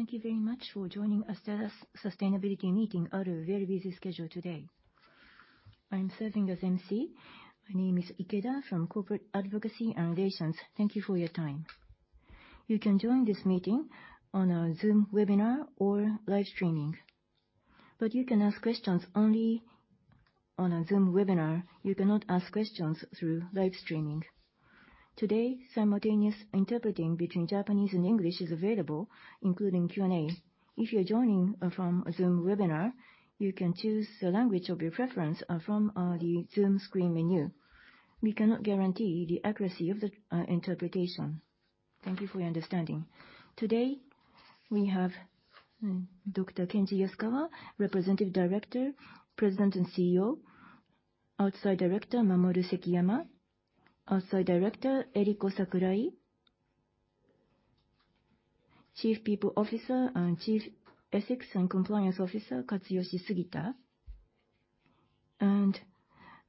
Thank you very much for joining Astellas Sustainability Meeting out of your very busy schedule today. I'm serving as MC. My name is Ikeda from Corporate Advocacy and Relations. Thank you for your time. You can join this meeting on a Zoom webinar or live streaming, but you can ask questions only on a Zoom webinar. You cannot ask questions through live streaming. Today, simultaneous interpreting between Japanese and English is available, including Q&A. If you're joining from a Zoom webinar, you can choose the language of your preference from the Zoom screen menu. We cannot guarantee the accuracy of the interpretation. Thank you for your understanding. Today, we have Dr. Kenji Yasukawa, Representative Director, President and CEO. Outside Director, Mamoru Sekiyama. Outside Director, Eriko Sakurai. Chief People Officer and Chief Ethics and Compliance Officer, Katsuyoshi Sugita.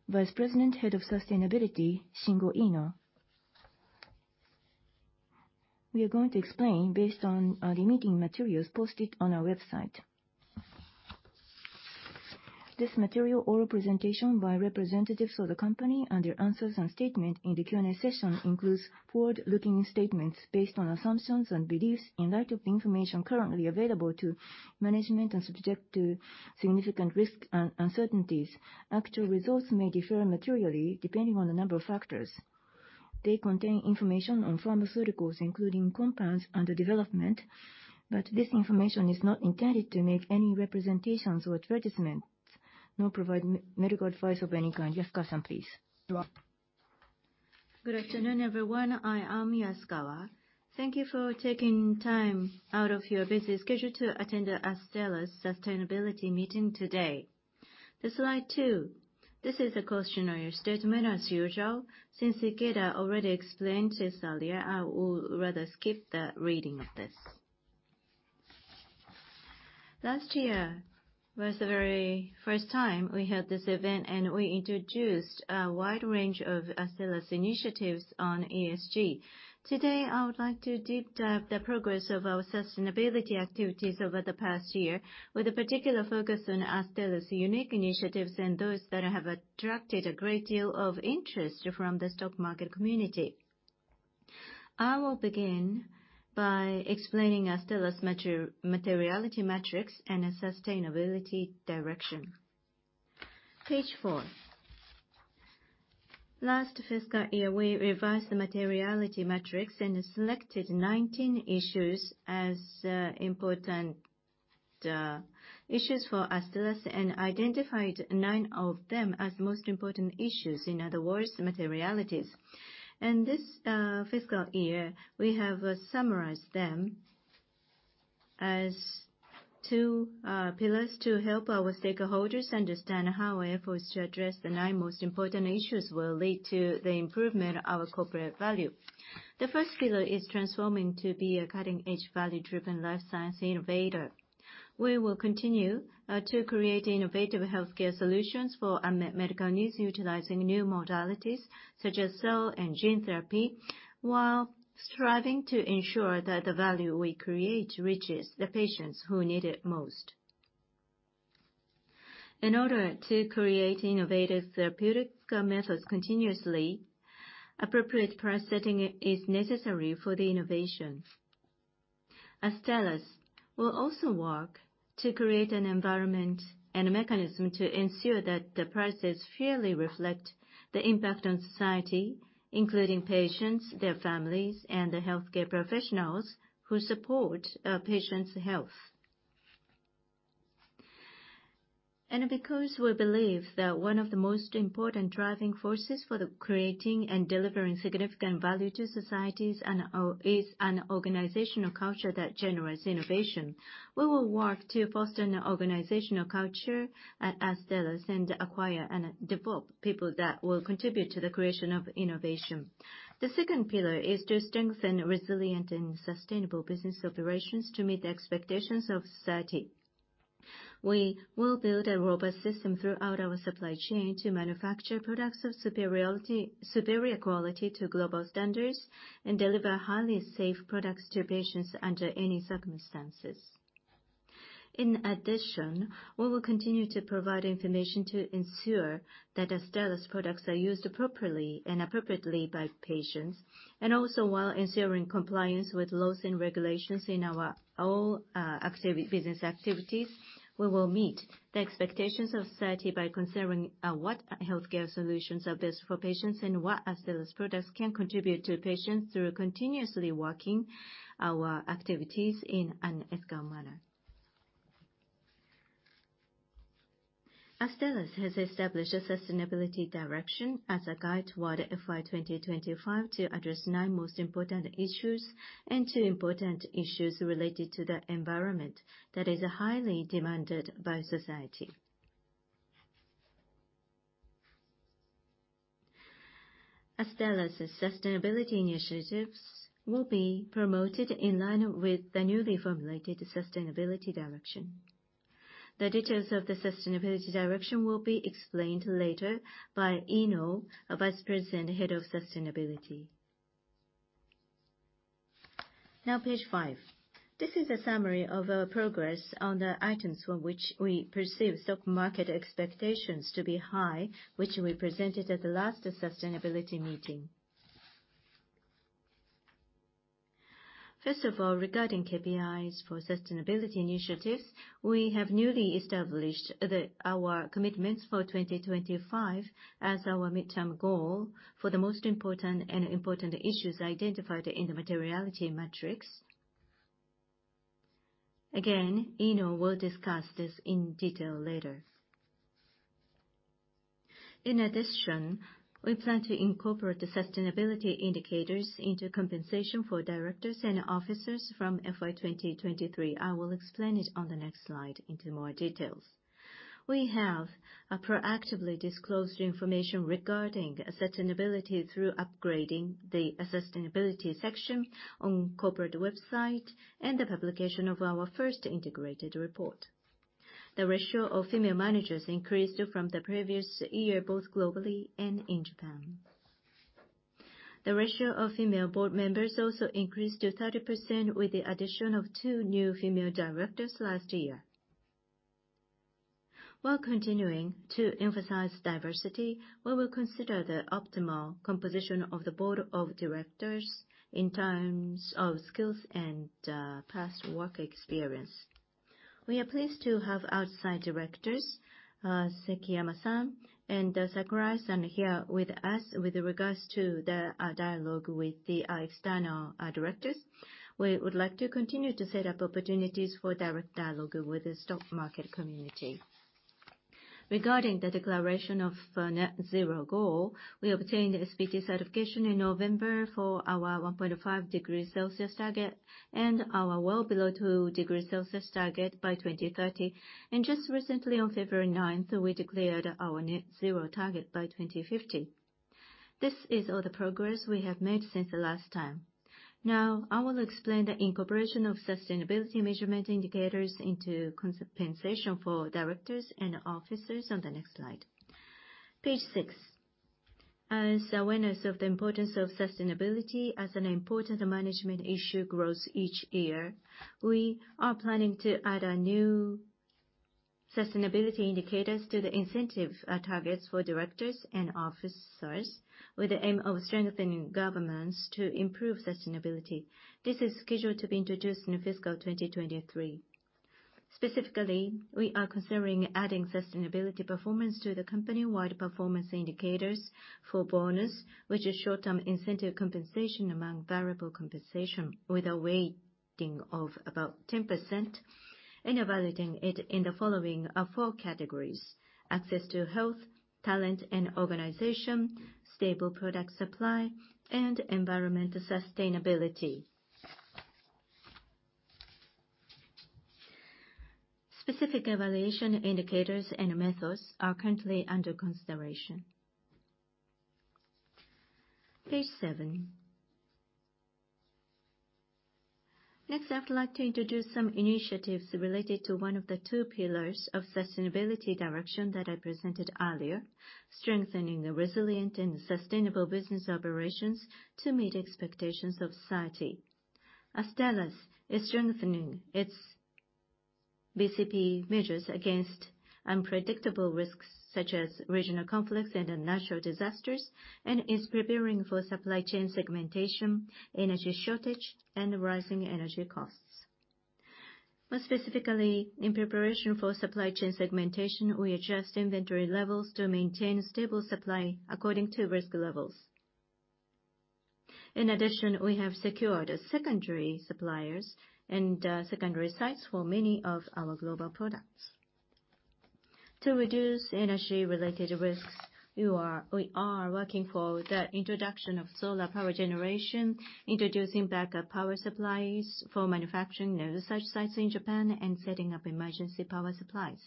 Vice President, Head of Sustainability, Shingo Iino. We are going to explain based on the meeting materials posted on our website. This material or presentation by representatives of the company and their answers and statement in the Q&A session includes forward-looking statements based on assumptions and beliefs in light of the information currently available to management and subject to significant risk and uncertainties. Actual results may differ materially depending on a number of factors. They contain information on pharmaceuticals, including compounds under development, but this information is not intended to make any representations or advertisements, nor provide medical advice of any kind. Yasukawa-san, please. Good afternoon, everyone. I am Yasukawa. Thank you for taking time out of your busy schedule to attend the Astellas Sustainability Meeting today. To slide two. This is a cautionary statement as usual. Since Ikeda already explained this earlier, I will rather skip the reading of this. Last year was the very first time we held this event, and we introduced a wide range of Astellas initiatives on ESG. Today, I would like to deep dive the progress of our sustainability activities over the past year, with a particular focus on Astellas' unique initiatives and those that have attracted a great deal of interest from the stock market community. I will begin by explaining Astellas materiality metrics and its sustainability direction. Page four. Last fiscal year, we revised the materiality metrics and selected 19 issues as important issues for Astellas and identified nine of them as the most important issues, in other words, materialities. This fiscal year, we have summarized them as two pillars to help our stakeholders understand how our efforts to address the nine most important issues will lead to the improvement of our corporate value. The first pillar is transforming to be a cutting-edge, value-driven life science innovator. We will continue to create innovative healthcare solutions for unmet medical needs utilizing new modalities, such as cell and gene therapy, while striving to ensure that the value we create reaches the patients who need it most. In order to create innovative therapeutical methods continuously, appropriate price setting is necessary for the innovations. Astellas will also work to create an environment and a mechanism to ensure that the prices fairly reflect the impact on society, including patients, their families, and the healthcare professionals who support patients' health. Because we believe that one of the most important driving forces for the creating and delivering significant value to societies is an organizational culture that generates innovation, we will work to foster an organizational culture at Astellas and acquire and develop people that will contribute to the creation of innovation. The second pillar is to strengthen resilient and sustainable business operations to meet the expectations of society. We will build a robust system throughout our supply chain to manufacture products of superior quality to global standards and deliver highly safe products to patients under any circumstances. In addition, we will continue to provide information to ensure that Astellas products are used properly and appropriately by patients. While ensuring compliance with laws and regulations in our all business activities, we will meet the expectations of society by considering what healthcare solutions are best for patients and what Astellas products can contribute to patients through continuously working our activities in an ethical manner. Astellas has established a sustainability direction as a guide toward FY2025 to address nine most important issues and two important issues related to the environment that is highly demanded by society. Astellas' sustainability initiatives will be promoted in line with the newly formulated sustainability direction. The details of the sustainability direction will be explained later by Iino, our Vice President, Head of Sustainability. Page five. This is a summary of our progress on the items for which we perceive stock market expectations to be high, which we presented at the last sustainability meeting. First of all, regarding KPIs for sustainability initiatives, we have newly established our commitments for FY2025 as our midterm goal for the most important and important issues identified in the materiality metrics. Again, Iino will discuss this in detail later. In addition, we plan to incorporate the sustainability indicators into compensation for directors and officers from FY2023. I will explain it on the next slide into more details. We have proactively disclosed information regarding sustainability through upgrading the sustainability section on corporate website and the publication of our first integrated report. The ratio of female managers increased from the previous year, both globally and in Japan. The ratio of female board members also increased to 30% with the addition of two new female directors last year. While continuing to emphasize diversity, we will consider the optimal composition of the Board of Directors in terms of skills and past work experience. We are pleased to have Outside Directors, Sekiyama-san and Sakurai-san here with us with regards to the dialogue with the external directors. We would like to continue to set up opportunities for direct dialogue with the stock market community. Regarding the declaration of net zero goal, we obtained SBT certification in November for our 1.5 degrees Celsius target and our well below 2 degrees Celsius target by 2030. Just recently on February 9th, we declared our net zero target by 2050. This is all the progress we have made since the last time. Now I will explain the incorporation of sustainability measurement indicators into compensation for directors and officers on the next slide. Page six. As awareness of the importance of sustainability as an important management issue grows each year, we are planning to add our new sustainability indicators to the incentive targets for directors and officers with the aim of strengthening governance to improve sustainability. This is scheduled to be introduced in fiscal 2023. Specifically, we are considering adding sustainability performance to the company-wide performance indicators for bonus, which is short-term incentive compensation among variable compensation with a weighting of about 10%, and evaluating it in the following four categories: access to health, talent and organization, stable product supply, and environmental sustainability. Specific evaluation indicators and methods are currently under consideration. Page seven. Next, I'd like to introduce some initiatives related to one of the two pillars of sustainability direction that I presented earlier, strengthening the resilient and sustainable business operations to meet expectations of society. Astellas is strengthening its BCP measures against unpredictable risks such as regional conflicts and natural disasters, and is preparing for supply chain segmentation, energy shortage, and rising energy costs. More specifically, in preparation for supply chain segmentation, we adjust inventory levels to maintain stable supply according to risk levels. We have secured secondary suppliers and secondary sites for many of our global products. To reduce energy-related risks, we are working for the introduction of solar power generation, introducing backup power supplies for manufacturing such sites in Japan, and setting up emergency power supplies.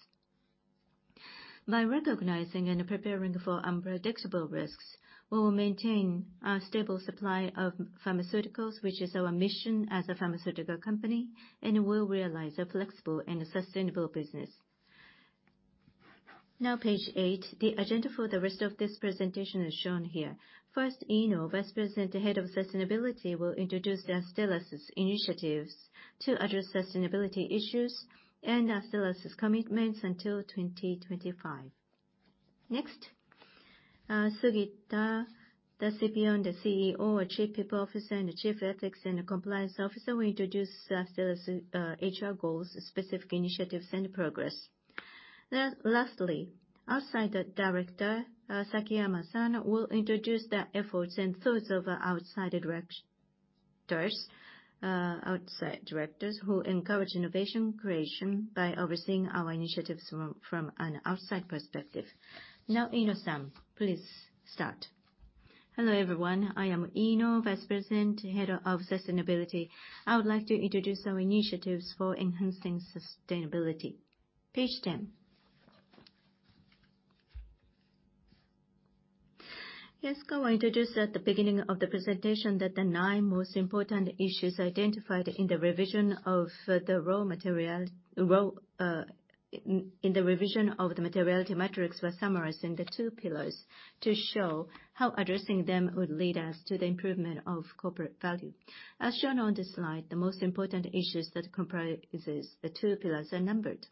By recognizing and preparing for unpredictable risks, we will maintain our stable supply of pharmaceuticals, which is our mission as a pharmaceutical company, and we'll realize a flexible and sustainable business. Page eight. The agenda for the rest of this presentation is shown here. First, Iino, Vice President, Head of Sustainability, will introduce Astellas' initiatives to address sustainability issues and Astellas' commitments until 2025. Next, Sugita, the CPO and the CECO, Chief People Officer and Chief Ethics and Compliance Officer, will introduce Astellas' HR goals, specific initiatives and progress. Lastly, Outside Director Sakurai-san will introduce the efforts and thoughts of outside directors who encourage innovation creation by overseeing our initiatives from an outside perspective. Iino-san, please start. Hello, everyone. I am Iino, Vice President, Head of Sustainability. I would like to introduce our initiatives for enhancing sustainability. Page 10. Yes. I introduced at the beginning of the presentation that the nine most important issues identified in the revision of the materiality metrics were summarized in the two pillars to show how addressing them would lead us to the improvement of corporate value. As shown on this slide, the most important issues that comprises the two pillars are numbered.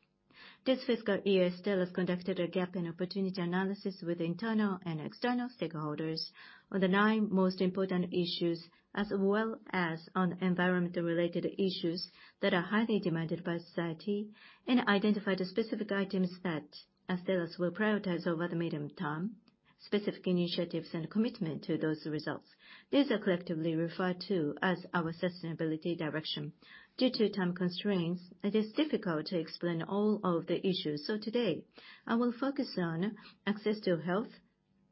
This fiscal year, Astellas conducted a gap and opportunity analysis with internal and external stakeholders on the nine most important issues, as well as on environmental related issues that are highly demanded by society, and identified the specific items that Astellas will prioritize over the medium term, specific initiatives and commitment to those results. These are collectively referred to as our sustainability direction. Due to time constraints, it is difficult to explain all of the issues. Today I will focus on access to health,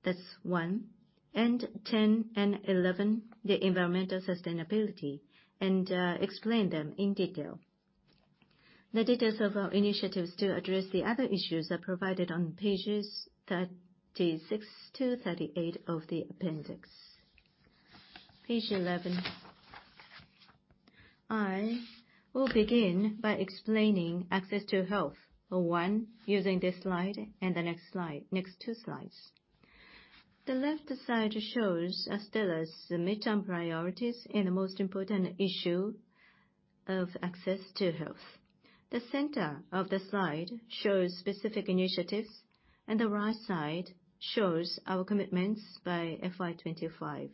that's one, and 10 and 11, the environmental sustainability, and explain them in detail. The details of our initiatives to address the other issues are provided on pages 36 to 38 of the appendix. Page 11. I will begin by explaining access to health, or one, using this slide and the next two slides. The left side shows Astellas' midterm priorities and the most important issue of access to health. The center of the slide shows specific initiatives, and the right side shows our commitments by FY2025.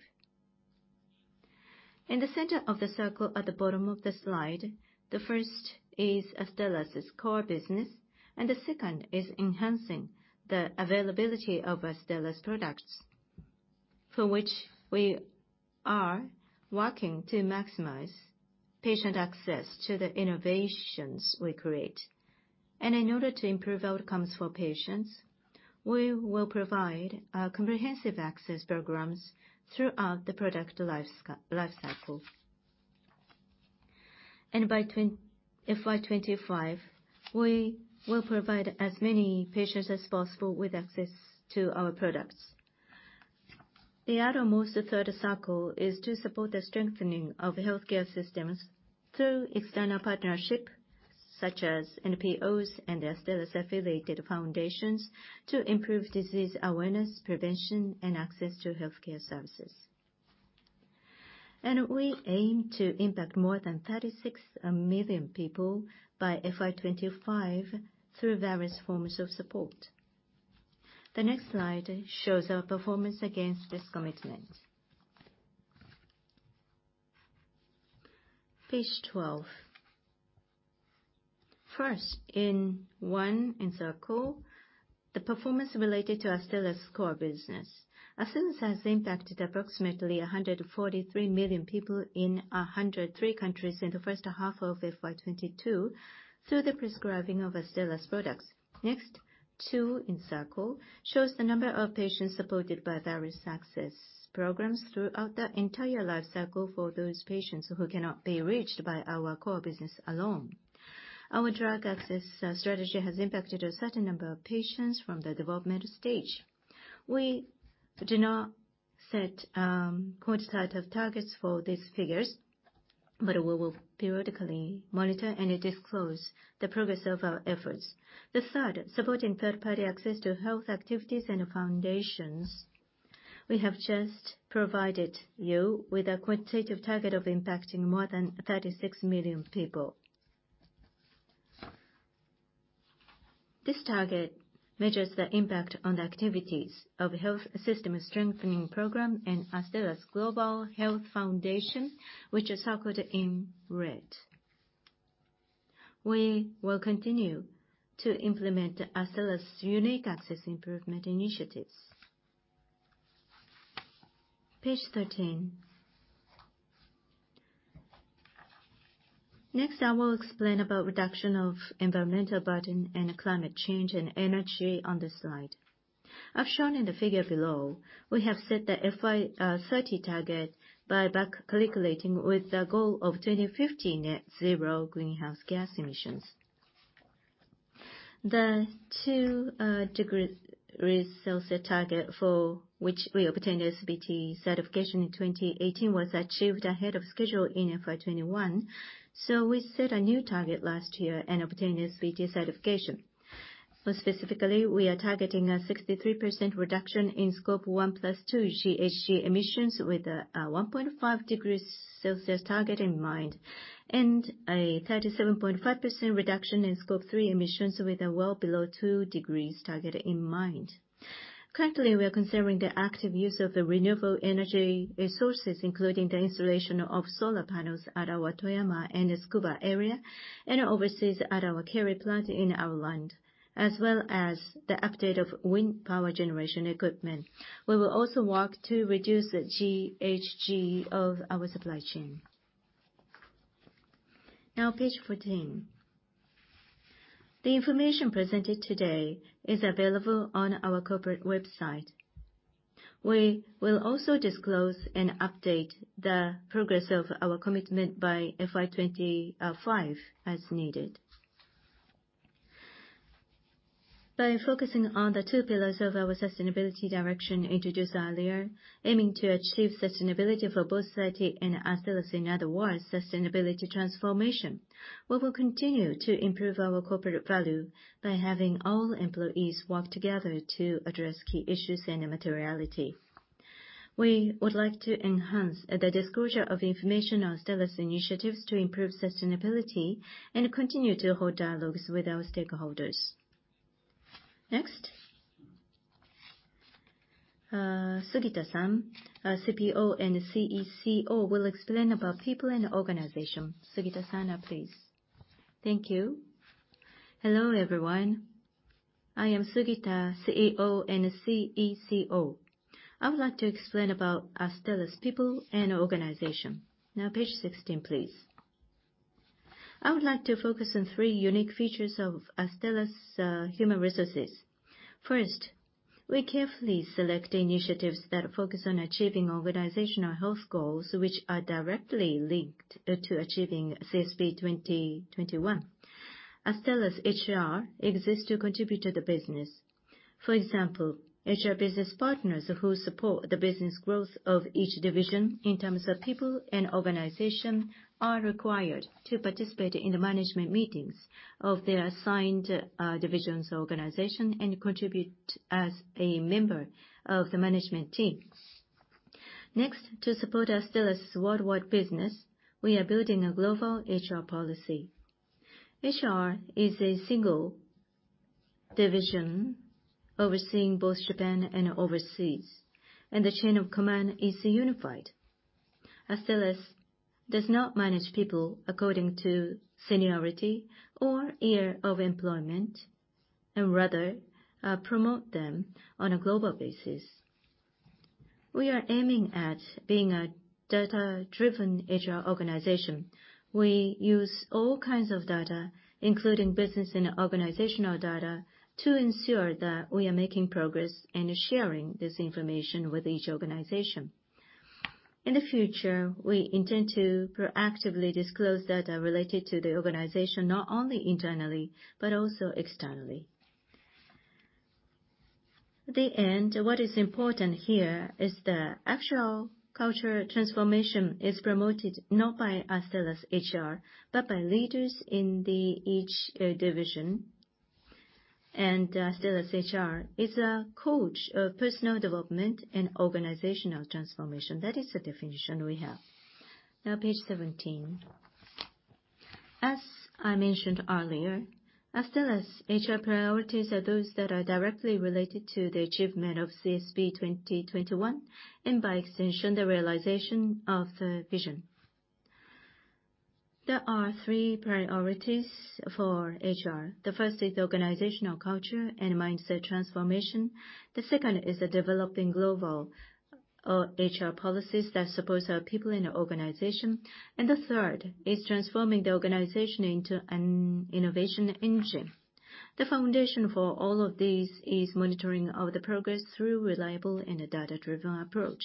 In the center of the circle at the bottom of the slide, the first is Astellas' core business, and the second is enhancing the availability of Astellas products, for which we are working to maximize patient access to the innovations we create. In order to improve outcomes for patients, we will provide comprehensive access programs throughout the product lifecycle. By FY2025, we will provide as many patients as possible with access to our products. The outermost third circle is to support the strengthening of healthcare systems through external partnership, such as NPOs and Astellas-affiliated foundations, to improve disease awareness, prevention, and access to healthcare services. We aim to impact more than 36 million people by FY2025 through various forms of support. The next slide shows our performance against this commitment. Page 12. First, in circle number one, the performance related to Astellas' core business. Astellas has impacted approximately 143 million people in 103 countries in the first half of FY2022 through the prescribing of Astellas products. Circle number two shows the number of patients supported by various access programs throughout the entire lifecycle for those patients who cannot be reached by our core business alone. Our drug at this strategy has impacted a certain number of patients from the development stage. We do not set quantitative targets for these figures, but we will periodically monitor and disclose the progress of our efforts. The third, supporting third-party access to health activities and foundations. We have just provided you with a quantitative target of impacting more than 36 million people. This target measures the impact on the activities of health system strengthening program and Astellas Global Health Foundation, which is circled in red. We will continue to implement Astellas' unique access improvement initiatives. Page 13. I will explain about reduction of environmental burden and climate change and energy on this slide. As shown in the figure below, we have set the FY2030 target by back calculating with the goal of 2050 net zero greenhouse gas emissions. The 2-degrees Celsius target for which we obtained SBT certification in 2018 was achieved ahead of schedule in FY2021. We set a new target last year and obtained SBT certification. More specifically, we are targeting a 63% reduction in Scope 1 plus 2 GHG emissions with a 1.5-degrees Celsius target in mind, and a 37.5% reduction in Scope 3 emissions with a well below 2-degrees target in mind. Currently, we are considering the active use of the renewable energy resources, including the installation of solar panels at our Toyama and Tsukuba area, and overseas at our Kerry plant in Ireland, as well as the update of wind power generation equipment. We will also work to reduce the GHG of our supply chain. Now page 14. The information presented today is available on our corporate website. We will also disclose and update the progress of our commitment by FY2025 as needed. By focusing on the two pillars of our sustainability direction introduced earlier, aiming to achieve sustainability for both society and ourselves, in other words, sustainability transformation, we will continue to improve our corporate value by having all employees work together to address key issues and materiality. We would like to enhance the disclosure of information on Astellas initiatives to improve sustainability and continue to hold dialogues with our stakeholders. Next. Sugita-san, our CPO and CECO, will explain about people in the organization. Sugita-san, please. Thank you. Hello, everyone. I am Sugita, CPO and CECO. I would like to explain about Astellas people and organization. Now, page 16, please. I would like to focus on three unique features of Astellas human resources. First, we carefully select initiatives that focus on achieving organizational health goals, which are directly linked to achieving CSP2021. Astellas HR exists to contribute to the business. For example, HR business partners who support the business growth of each division in terms of people and organization are required to participate in the management meetings of their assigned divisions organization and contribute as a member of the management team. Next, to support Astellas worldwide business, we are building a global HR policy. HR is a single division overseeing both Japan and overseas. The chain of command is unified. Astellas does not manage people according to seniority or year of employment, rather, promote them on a global basis. We are aiming at being a data-driven HR organization. We use all kinds of data, including business and organizational data, to ensure that we are making progress and sharing this information with each organization. In the future, we intend to proactively disclose data related to the organization, not only internally, but also externally. The end, what is important here is the actual cultural transformation is promoted not by Astellas HR, but by leaders in the each division. Astellas HR is a coach of personal development and organizational transformation. That is the definition we have. Page 17. As I mentioned earlier, Astellas' HR priorities are those that are directly related to the achievement of CSP 2021, and by extension, the realization of the vision. There are three priorities for HR. The first is organizational culture and mindset transformation. The second is developing global HR policies that support our people in the organization. The third is transforming the organization into an innovation engine. The foundation for all of these is monitoring of the progress through reliable and a data-driven approach.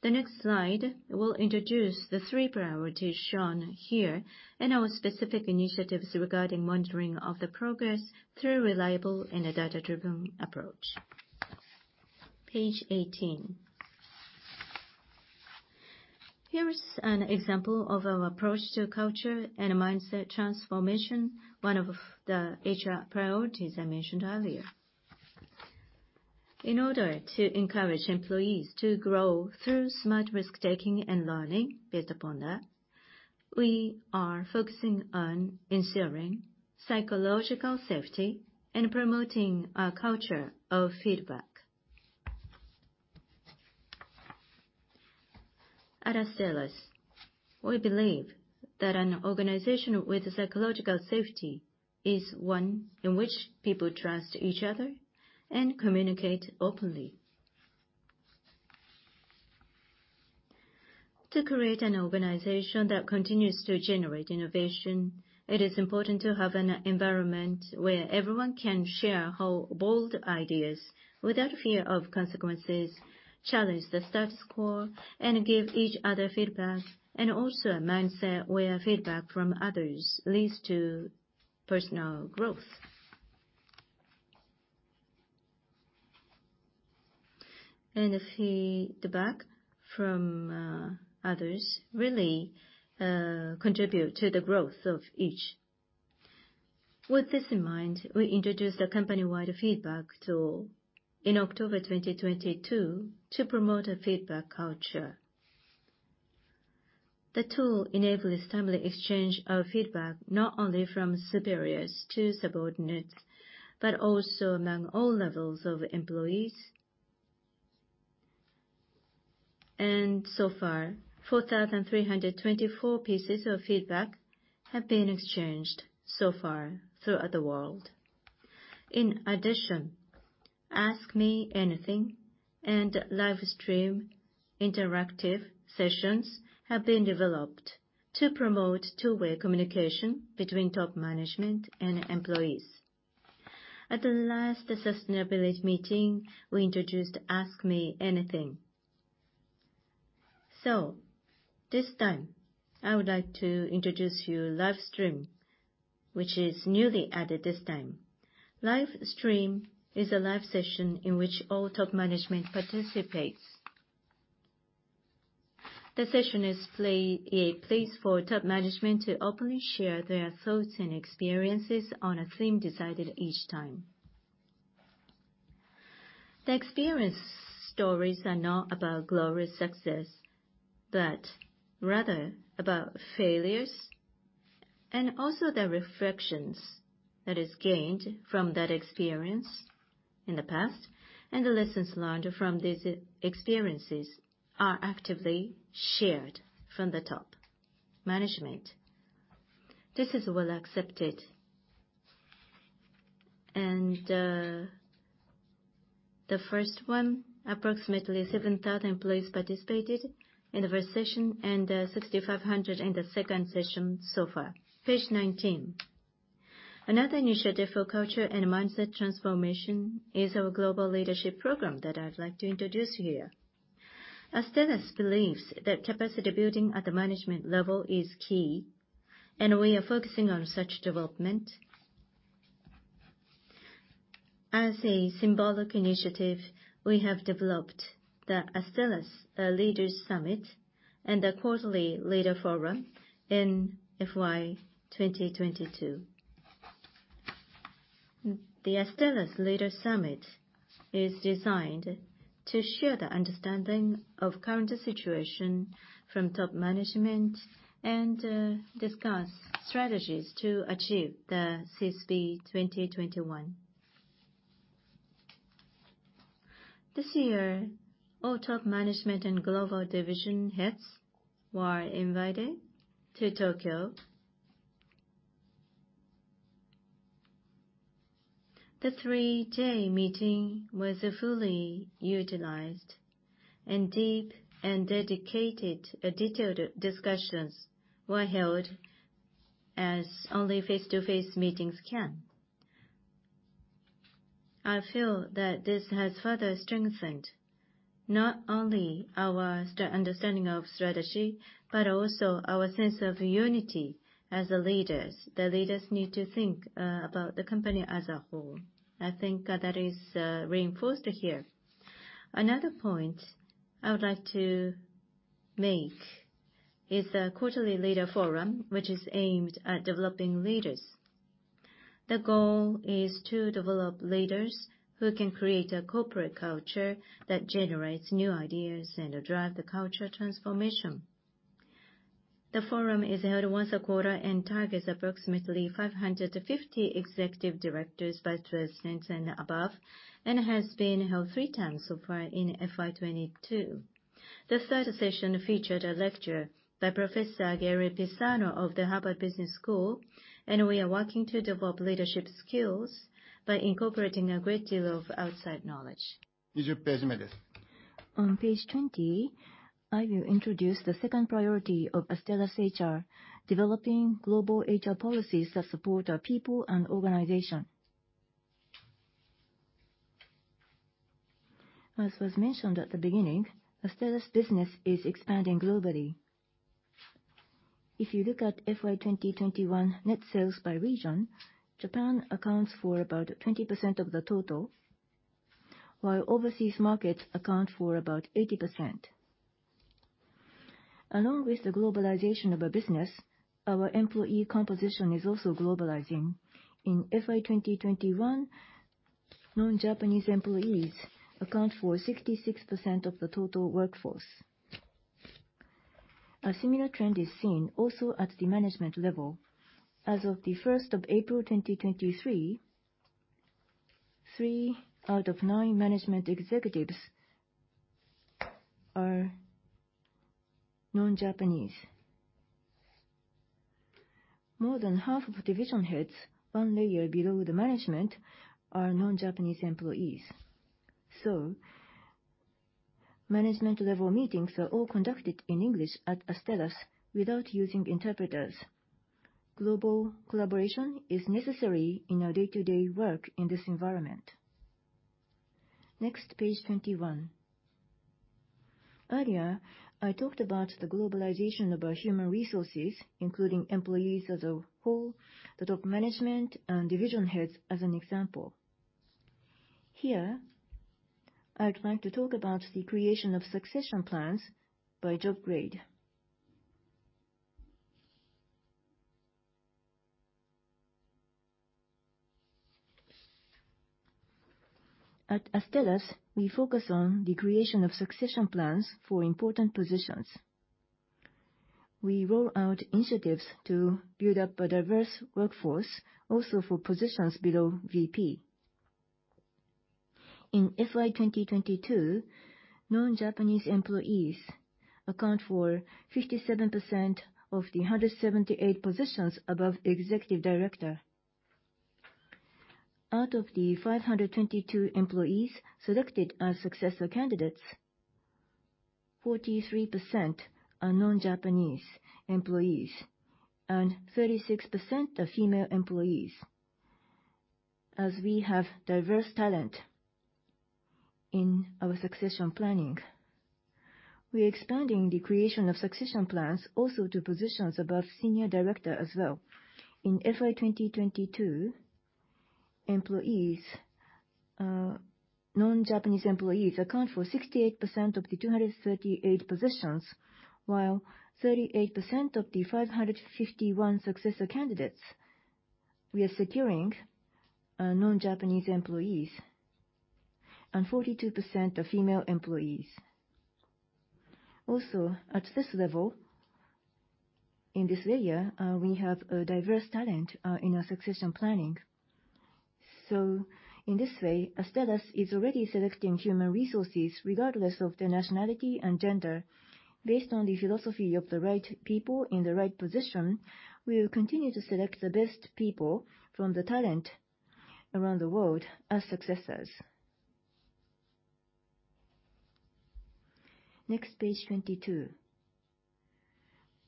The next slide will introduce the three priorities shown here and our specific initiatives regarding monitoring of the progress through reliable and a data-driven approach. Page 18. Here is an example of our approach to culture and mindset transformation, one of the HR priorities I mentioned earlier. In order to encourage employees to grow through smart risk-taking and learning based upon that, we are focusing on ensuring psychological safety and promoting a culture of feedback. At Astellas, we believe that an organization with psychological safety is one in which people trust each other and communicate openly. To create an organization that continues to generate innovation, it is important to have an environment where everyone can share how bold ideas without fear of consequences, challenge the status quo, and give each other feedback, and also a mindset where feedback from others leads to personal growth. If the back from others really contribute to the growth of each. With this in mind, we introduced a company-wide feedback tool in October 2022 to promote a feedback culture. The tool enables timely exchange of feedback, not only from superiors to subordinates, but also among all levels of employees. So far, 4,324 pieces of feedback have been exchanged so far throughout the world. In addition, Ask Me Anything and Livestream interactive sessions have been developed to promote two-way communication between top management and employees. At the last sustainability meeting, we introduced Ask Me Anything. This time, I would like to introduce you Livestream, which is newly added this time. Livestream is a live session in which all top management participates. The session is a place for top management to openly share their thoughts and experiences on a theme decided each time. The experience stories are not about glorious success, but rather about failures and also the reflections that is gained from that experience in the past, and the lessons learned from these experiences are actively shared from the top management. This is well accepted. The first one, approximately 7,000 employees participated in the first session and 6,500 in the second session so far. Page 19. Another initiative for culture and mindset transformation is our global leadership program that I'd like to introduce here. Astellas believes that capacity building at the management level is key, and we are focusing on such development. As a symbolic initiative, we have developed the Astellas Leaders' Summit and the Quarterly Leader Forum in FY2022. The Astellas Leaders' Summit is designed to share the understanding of current situation from top management and discuss strategies to achieve the CSP2021. This year, all top management and global division heads were invited to Tokyo. The three-day meeting was fully utilized and deep and dedicated, detailed discussions were held as only face-to-face meetings can. I feel that this has further strengthened not only our understanding of strategy, but also our sense of unity as the leaders. The leaders need to think about the company as a whole. I think that is reinforced here. Another point I would like to make is the Quarterly Leader Forum, which is aimed at developing leaders. The goal is to develop leaders who can create a corporate culture that generates new ideas and drive the culture transformation. The forum is held once a quarter and targets approximately 550 executive directors, vice presidents and above, and has been held three times so far in FY2022. The third session featured a lecture by Professor Gary Pisano of the Harvard Business School, and we are working to develop leadership skills by incorporating a great deal of outside knowledge. On page 20, I will introduce the second priority of Astellas HR, developing global HR policies that support our people and organization. As was mentioned at the beginning, Astellas' business is expanding globally. If you look at FY2021 net sales by region, Japan accounts for about 20% of the total, while overseas markets account for about 80%. Along with the globalization of our business, our employee composition is also globalizing. In FY2021, non-Japanese employees account for 66% of the total workforce. A similar trend is seen also at the management level. As of the 1st of April 2023, three out of nine management executives are non-Japanese. More than half of division heads, one layer below the management, are non-Japanese employees. Management level meetings are all conducted in English at Astellas without using interpreters. Global collaboration is necessary in our day-to-day work in this environment. Next, page 21. Earlier, I talked about the globalization of our human resources, including employees as a whole, the top management, and division heads as an example. Here, I would like to talk about the creation of succession plans by job grade. At Astellas, we focus on the creation of succession plans for important positions. We roll out initiatives to build up a diverse workforce also for positions below VP. In FY2022, non-Japanese employees account for 57% of the 178 positions above executive director. Out of the 522 employees selected as successor candidates, 43% are non-Japanese employees and 36% are female employees. As we have diverse talent in our succession planning, we expanding the creation of succession plans also to positions above senior director as well. In FY2022, employees, non-Japanese employees account for 68% of the 238 positions, while 38% of the 551 successor candidates we are securing are non-Japanese employees and 42% are female employees. Also, at this level, in this area, we have a diverse talent in our succession planning. In this way, Astellas is already selecting human resources regardless of their nationality and gender. Based on the philosophy of the right people in the right position, we will continue to select the best people from the talent around the world as successors. Next, page 22.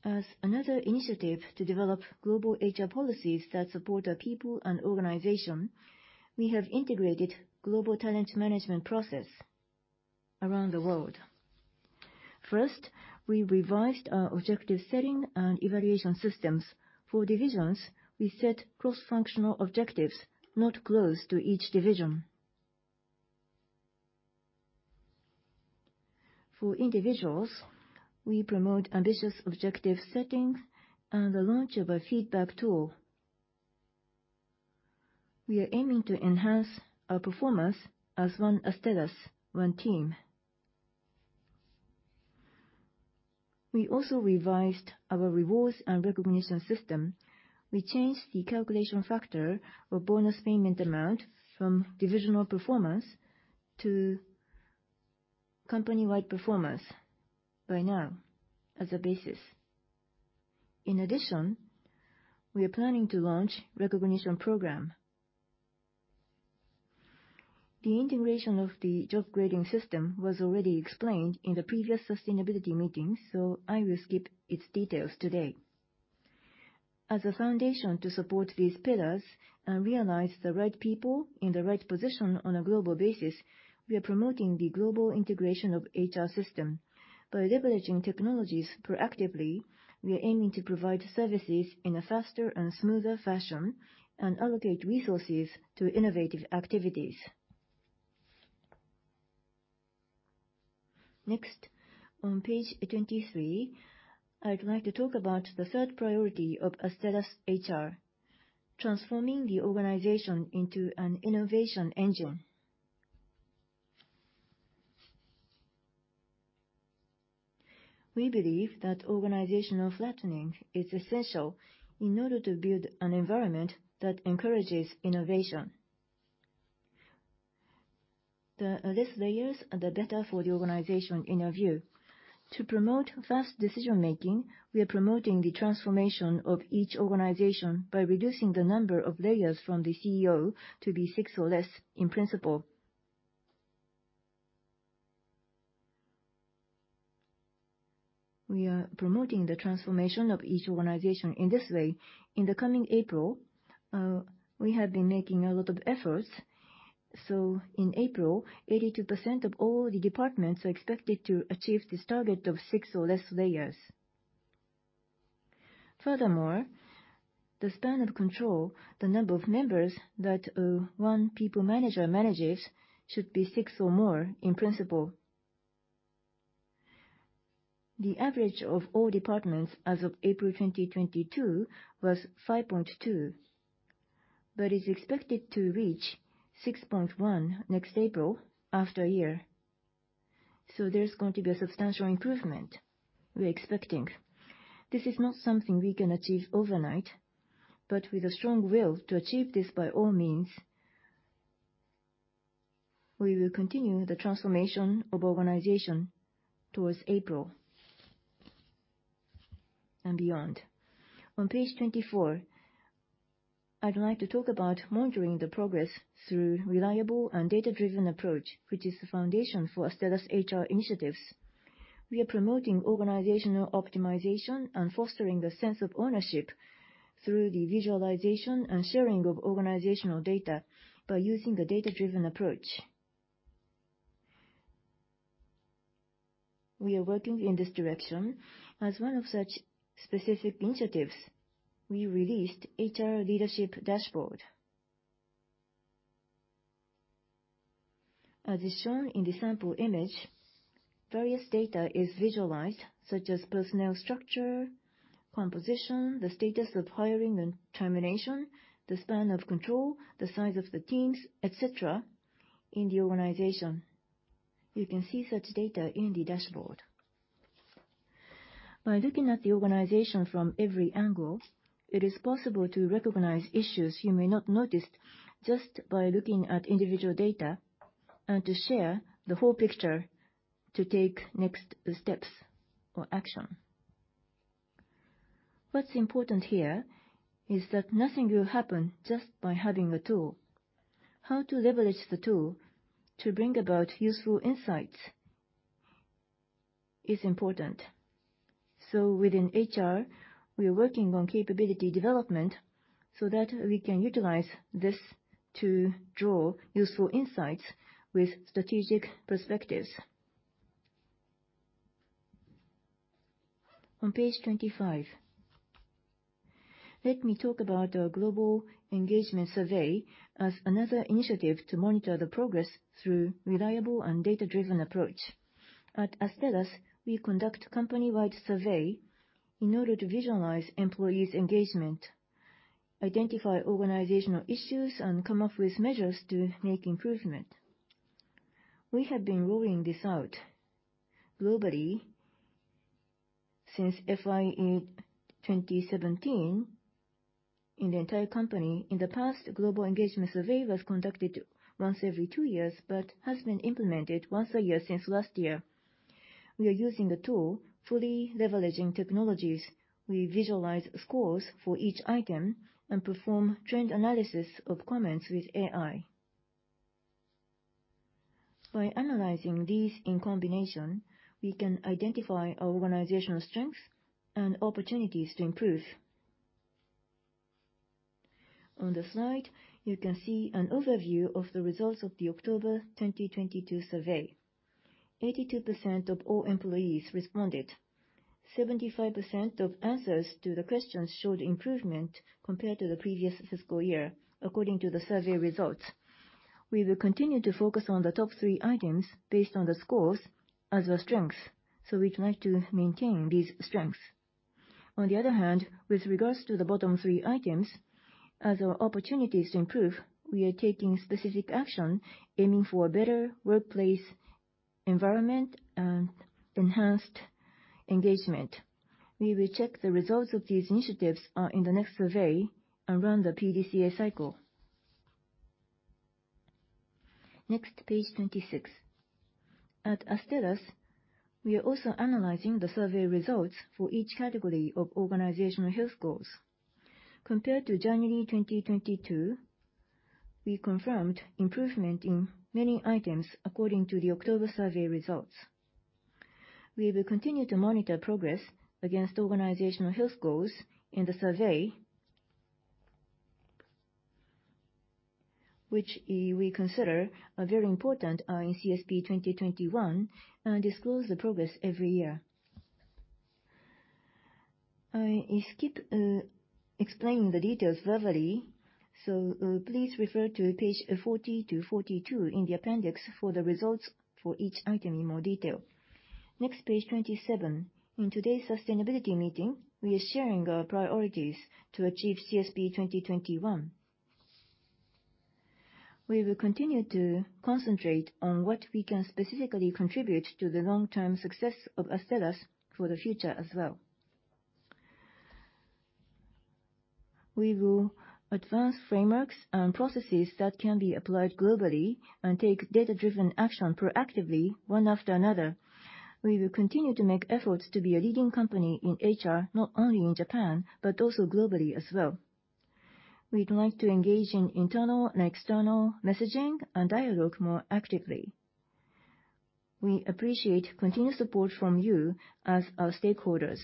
As another initiative to develop global HR policies that support our people and organization, we have integrated global talent management process around the world. First, we revised our objective setting and evaluation systems. For divisions, we set cross-functional objectives not close to each division. For individuals, we promote ambitious objective setting and the launch of a feedback tool. We are aiming to enhance our performance as One Astellas, one team. We also revised our rewards and recognition system. We changed the calculation factor or bonus payment amount from divisional performance to company-wide performance by now as a basis. In addition, we are planning to launch recognition program. The integration of the job grading system was already explained in the previous sustainability meeting, so I will skip its details today. As a foundation to support these pillars and realize the right people in the right position on a global basis, we are promoting the global integration of HR system. By leveraging technologies proactively, we are aiming to provide services in a faster and smoother fashion and allocate resources to innovative activities. Next, on page 23, I'd like to talk about the third priority of Astellas HR, transforming the organization into an innovation engine. We believe that organizational flattening is essential in order to build an environment that encourages innovation. The less layers are the better for the organization in our view. To promote fast decision-making, we are promoting the transformation of each organization by reducing the number of layers from the CEO to be six or less in principle. We are promoting the transformation of each organization in this way. In the coming April, we have been making a lot of efforts. In April, 82% of all the departments are expected to achieve this target of six or less layers. Furthermore, the span of control, the number of members that one people manager manages should be six or more in principle. The average of all departments as of April 2022 was 5.2%, but is expected to reach 6.1% next April after a year. There's going to be a substantial improvement we're expecting. This is not something we can achieve overnight, but with a strong will to achieve this by all means, we will continue the transformation of organization towards April and beyond. On page 24, I'd like to talk about monitoring the progress through reliable and data-driven approach, which is the foundation for Astellas HR initiatives. We are promoting organizational optimization and fostering the sense of ownership through the visualization and sharing of organizational data by using a data-driven approach. We are working in this direction. As one of such specific initiatives, we released HR Leadership Dashboard. As is shown in the sample image, various data is visualized, such as personnel structure, composition, the status of hiring and termination, the span of control, the size of the teams, et cetera, in the organization. You can see such data in the dashboard. By looking at the organization from every angle, it is possible to recognize issues you may not noticed just by looking at individual data and to share the whole picture to take next steps or action. What's important here is that nothing will happen just by having a tool. How to leverage the tool to bring about useful insights is important. Within HR, we are working on capability development so that we can utilize this to draw useful insights with strategic perspectives. On page 25, let me talk about our global engagement survey as another initiative to monitor the progress through reliable and data-driven approach. At Astellas, we conduct company-wide survey in order to visualize employees' engagement, identify organizational issues, and come up with measures to make improvement. We have been rolling this out globally since FY2017 in the entire company. In the past, global engagement survey was conducted once every two years, but has been implemented once a year since last year. We are using the tool fully leveraging technologies. We visualize scores for each item and perform trend analysis of comments with AI. By analyzing these in combination, we can identify organizational strengths and opportunities to improve. On the slide, you can see an overview of the results of the October 2022 survey. 82% of all employees responded. 75% of answers to the questions showed improvement compared to the previous fiscal year according to the survey results. We will continue to focus on the top three items based on the scores as our strengths, so we'd like to maintain these strengths. On the other hand, with regards to the bottom three items as our opportunities to improve, we are taking specific action aiming for a better workplace environment and enhanced engagement. We will check the results of these initiatives in the next survey around the PDCA cycle. Next page 26. At Astellas, we are also analyzing the survey results for each category of organizational health goals. Compared to January 2022, we confirmed improvement in many items according to the October survey results. We will continue to monitor progress against organizational health goals in the survey which we consider are very important in CSP2021 and disclose the progress every year. I skip explaining the details verbally, so please refer to page 40-42 in the appendix for the results for each item in more detail. Next page 27. In today's sustainability meeting, we are sharing our priorities to achieve CSP 2021. We will continue to concentrate on what we can specifically contribute to the long-term success of Astellas for the future as well. We will advance frameworks and processes that can be applied globally and take data-driven action proactively one after another. We will continue to make efforts to be a leading company in HR, not only in Japan, but also globally as well. We'd like to engage in internal and external messaging and dialogue more actively. We appreciate continued support from you as our stakeholders.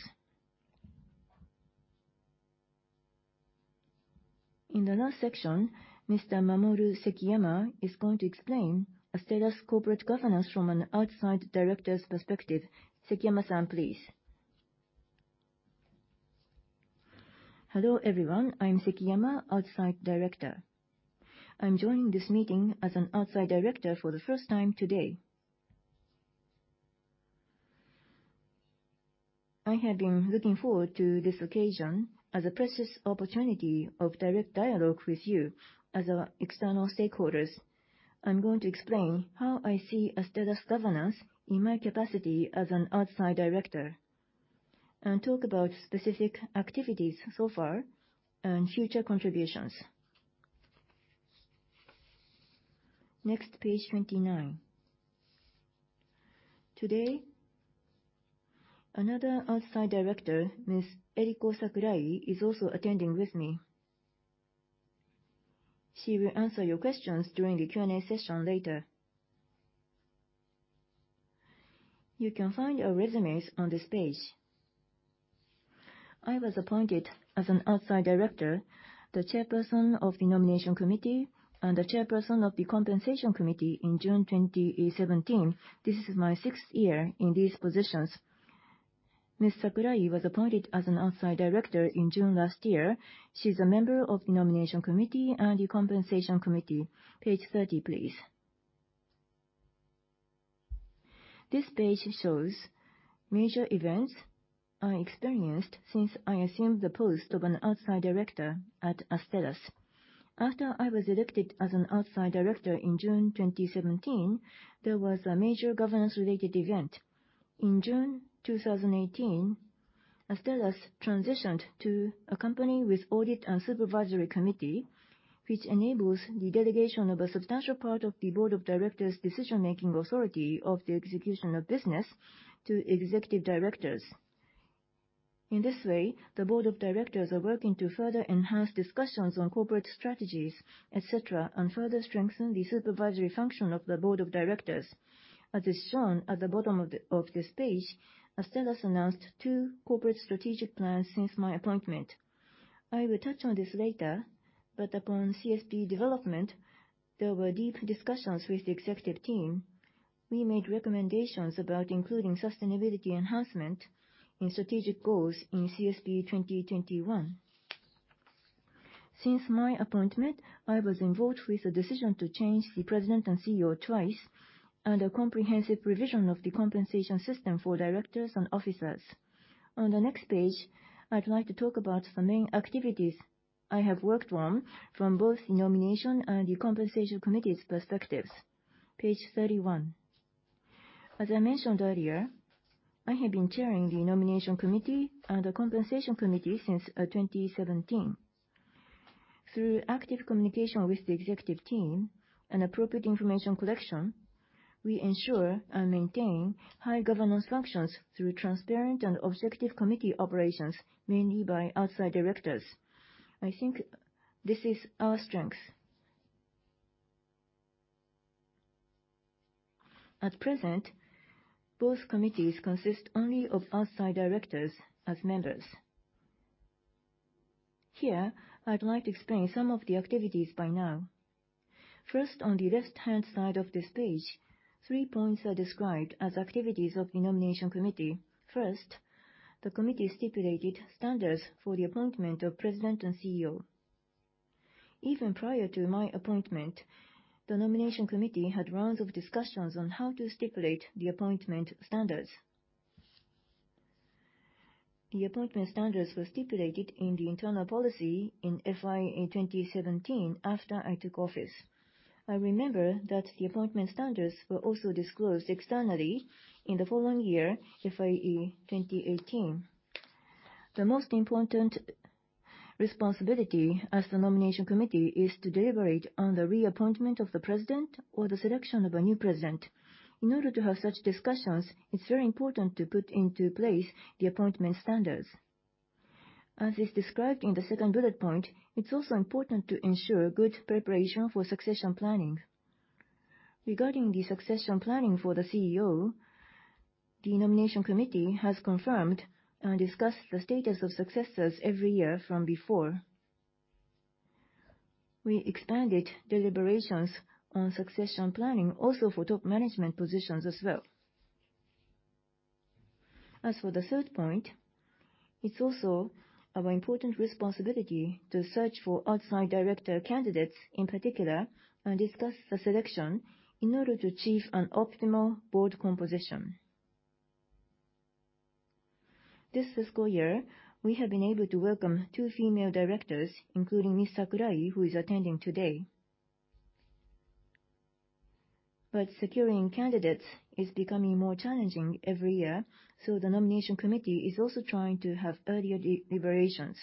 In the last section, Mr. Mamoru Sekiyama is going to explain Astellas corporate governance from an outside director's perspective. Sekiyama-san, please. Hello, everyone. I'm Sekiyama, Outside Director. I'm joining this meeting as an outside director for the first time today. I have been looking forward to this occasion as a precious opportunity of direct dialogue with you as our external stakeholders. I'm going to explain how I see Astellas governance in my capacity as an outside director and talk about specific activities so far and future contributions. Next page 29. Today, another outside director, Ms. Eriko Sakurai, is also attending with me. She will answer your questions during the Q&A session later. You can find our resumes on this page. I was appointed as an outside director, the chairperson of the Nomination Committee, and the chairperson of the Compensation Committee in June 2017. This is my sixth year in these positions. Ms. Sakurai was appointed as an Outside Director in June last year. She's a member of the Nomination Committee and the Compensation Committee. Page 30, please. This page shows major events I experienced since I assumed the post of an outside director at Astellas. After I was elected as an outside director in June 2017, there was a major governance-related event. In June 2018, Astellas transitioned to a Company with Audit and Supervisory Committee, which enables the delegation of a substantial part of the board of directors' decision-making authority of the execution of business to executive directors. In this way, the board of directors are working to further enhance discussions on corporate strategies, et cetera, and further strengthen the supervisory function of the board of directors. As is shown at the bottom of this page, Astellas announced two corporate strategic plans since my appointment. Upon CSP development, there were deep discussions with the executive team. We made recommendations about including sustainability enhancement in strategic goals in CSP2021. Since my appointment, I was involved with the decision to change the president and CEO twice, and a comprehensive revision of the compensation system for directors and officers. On the next page, I'd like to talk about the main activities I have worked on from both the nomination and the Compensation Committee's perspectives. Page 31. As I mentioned earlier, I have been chairing the Nomination Committee and the Compensation Committee since 2017. Through active communication with the executive team and appropriate information collection, we ensure and maintain high governance functions through transparent and objective committee operations, mainly by outside directors. I think this is our strength. At present, both committees consist only of outside directors as members. Here, I'd like to explain some of the activities by now. First, on the left-hand side of this page, three points are described as activities of the Nomination Committee. First, the committee stipulated standards for the appointment of president and CEO. Even prior to my appointment, the Nomination Committee had rounds of discussions on how to stipulate the appointment standards. The appointment standards were stipulated in the internal policy in FY 2017 after I took office. I remember that the appointment standards were also disclosed externally in the following year, FY 2018. The most important responsibility as the Nomination Committee is to deliberate on the reappointment of the president or the selection of a new president. In order to have such discussions, it's very important to put into place the appointment standards. As is described in the second bullet point, it's also important to ensure good preparation for succession planning. Regarding the succession planning for the CEO, the Nomination Committee has confirmed and discussed the status of successors every year from before. We expanded deliberations on succession planning also for top management positions as well. For the third point, it's also of an important responsibility to search for outside director candidates in particular and discuss the selection in order to achieve an optimal board composition. This fiscal year, we have been able to welcome two female directors, including Ms. Sakurai, who is attending today. Securing candidates is becoming more challenging every year, the Nomination Committee is also trying to have earlier deliberations.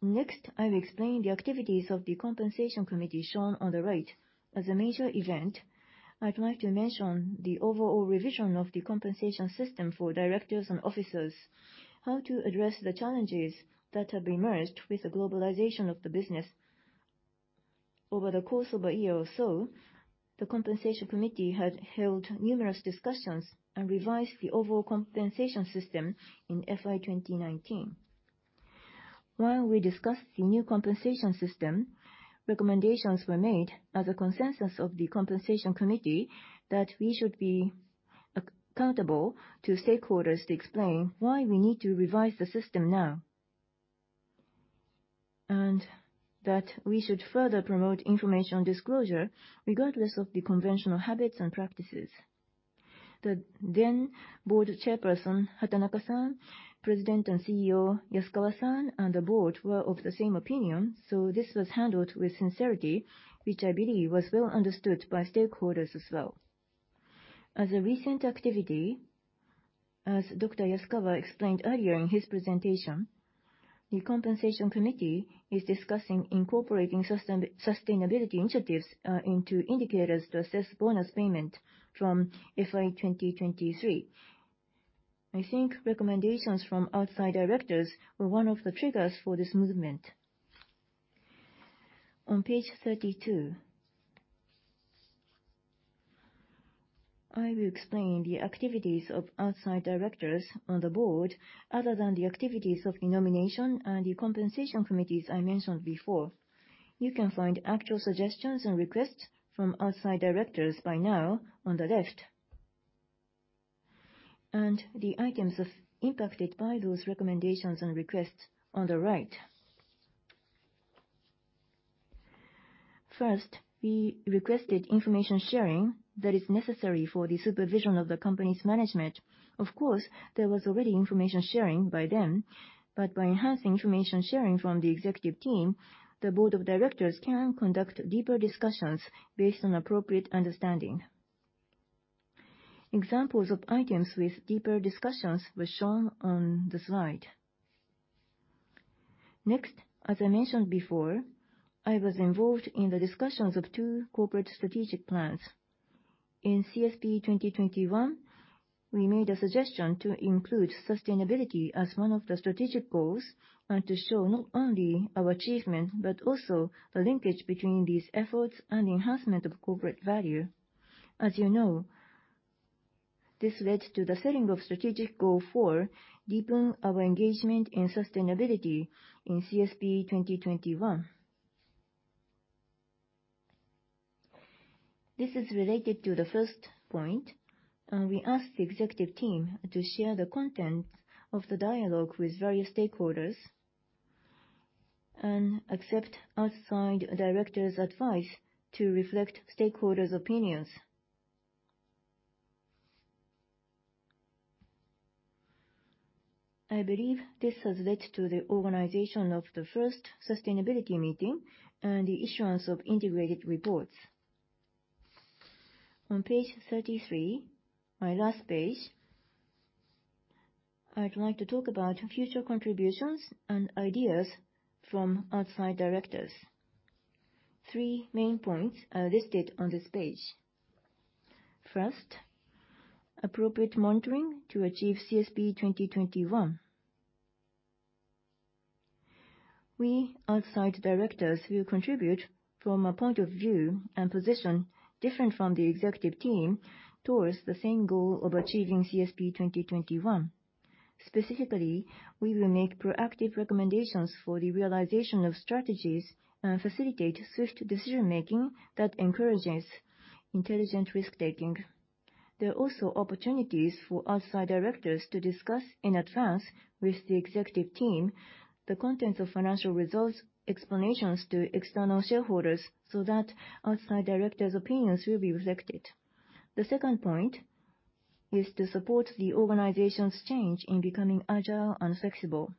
Next, I'll explain the activities of the Compensation Committee shown on the right. A major event, I'd like to mention the overall revision of the compensation system for directors and officers, how to address the challenges that have emerged with the globalization of the business. Over the course of a year or so, the Compensation Committee had held numerous discussions and revised the overall compensation system in FY 2019. While we discussed the new compensation system, recommendations were made as a consensus of the Compensation Committee that we should be accountable to stakeholders to explain why we need to revise the system now. That we should further promote information disclosure regardless of the conventional habits and practices. The then Board Chairperson, Hatanaka-san, President and CEO Yasukawa-san, and the Board were of the same opinion, so this was handled with sincerity, which I believe was well understood by stakeholders as well. As a recent activity, as Dr. Yasukawa explained earlier in his presentation, the Compensation Committee is discussing incorporating sustainability initiatives into indicators to assess bonus payment from FY2023. I think recommendations from outside directors were one of the triggers for this movement. On page 32, I will explain the activities of outside directors on the board other than the activities of the Nomination and Compensation Committees I mentioned before. You can find actual suggestions and requests from outside directors by now on the left. The items of impacted by those recommendations and requests on the right. First, we requested information sharing that is necessary for the supervision of the company's management. Of course, there was already information sharing by then. By enhancing information sharing from the executive team, the board of directors can conduct deeper discussions based on appropriate understanding. Examples of items with deeper discussions were shown on the slide. Next, as I mentioned before, I was involved in the discussions of two Corporate Strategic Plans. In CSP2021, we made a suggestion to include sustainability as one of the strategic goals and to show not only our achievement, but also the linkage between these efforts and enhancement of corporate value. As you know, this led to the setting of strategic goal four, deepen our engagement in sustainability in CSP2021. This is related to the first point. We ask the executive team to share the content of the dialogue with various stakeholders, and accept outside directors' advice to reflect stakeholders' opinions. I believe this has led to the organization of the first sustainability meeting and the issuance of integrated reports. On page 33, my last page, I'd like to talk about future contributions and ideas from outside directors. Three main points are listed on this page. First, appropriate monitoring to achieve CSP2021. We outside directors will contribute from a point of view and position different from the executive team towards the same goal of achieving CSP2021. Specifically, we will make proactive recommendations for the realization of strategies, facilitate swift decision-making that encourages intelligent risk-taking. There are also opportunities for outside directors to discuss in advance with the executive team the contents of financial results, explanations to external shareholders, that outside directors' opinions will be reflected. The second point is to support the organization's change in becoming agile and flexible.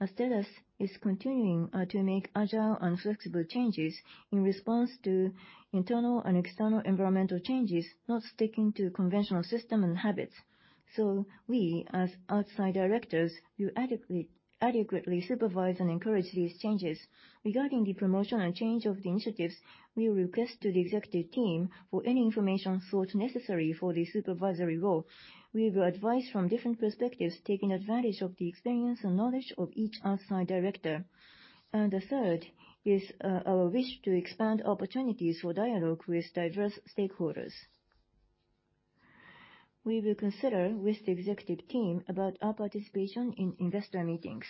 Astellas is continuing to make agile and flexible changes in response to internal and external environmental changes, not sticking to conventional system and habits. We as outside directors will adequately supervise and encourage these changes. Regarding the promotion and change of the initiatives, we will request to the executive team for any information thought necessary for the supervisory role. We will advise from different perspectives, taking advantage of the experience and knowledge of each outside director. The third is our wish to expand opportunities for dialogue with diverse stakeholders. We will consider with the executive team about our participation in investor meetings.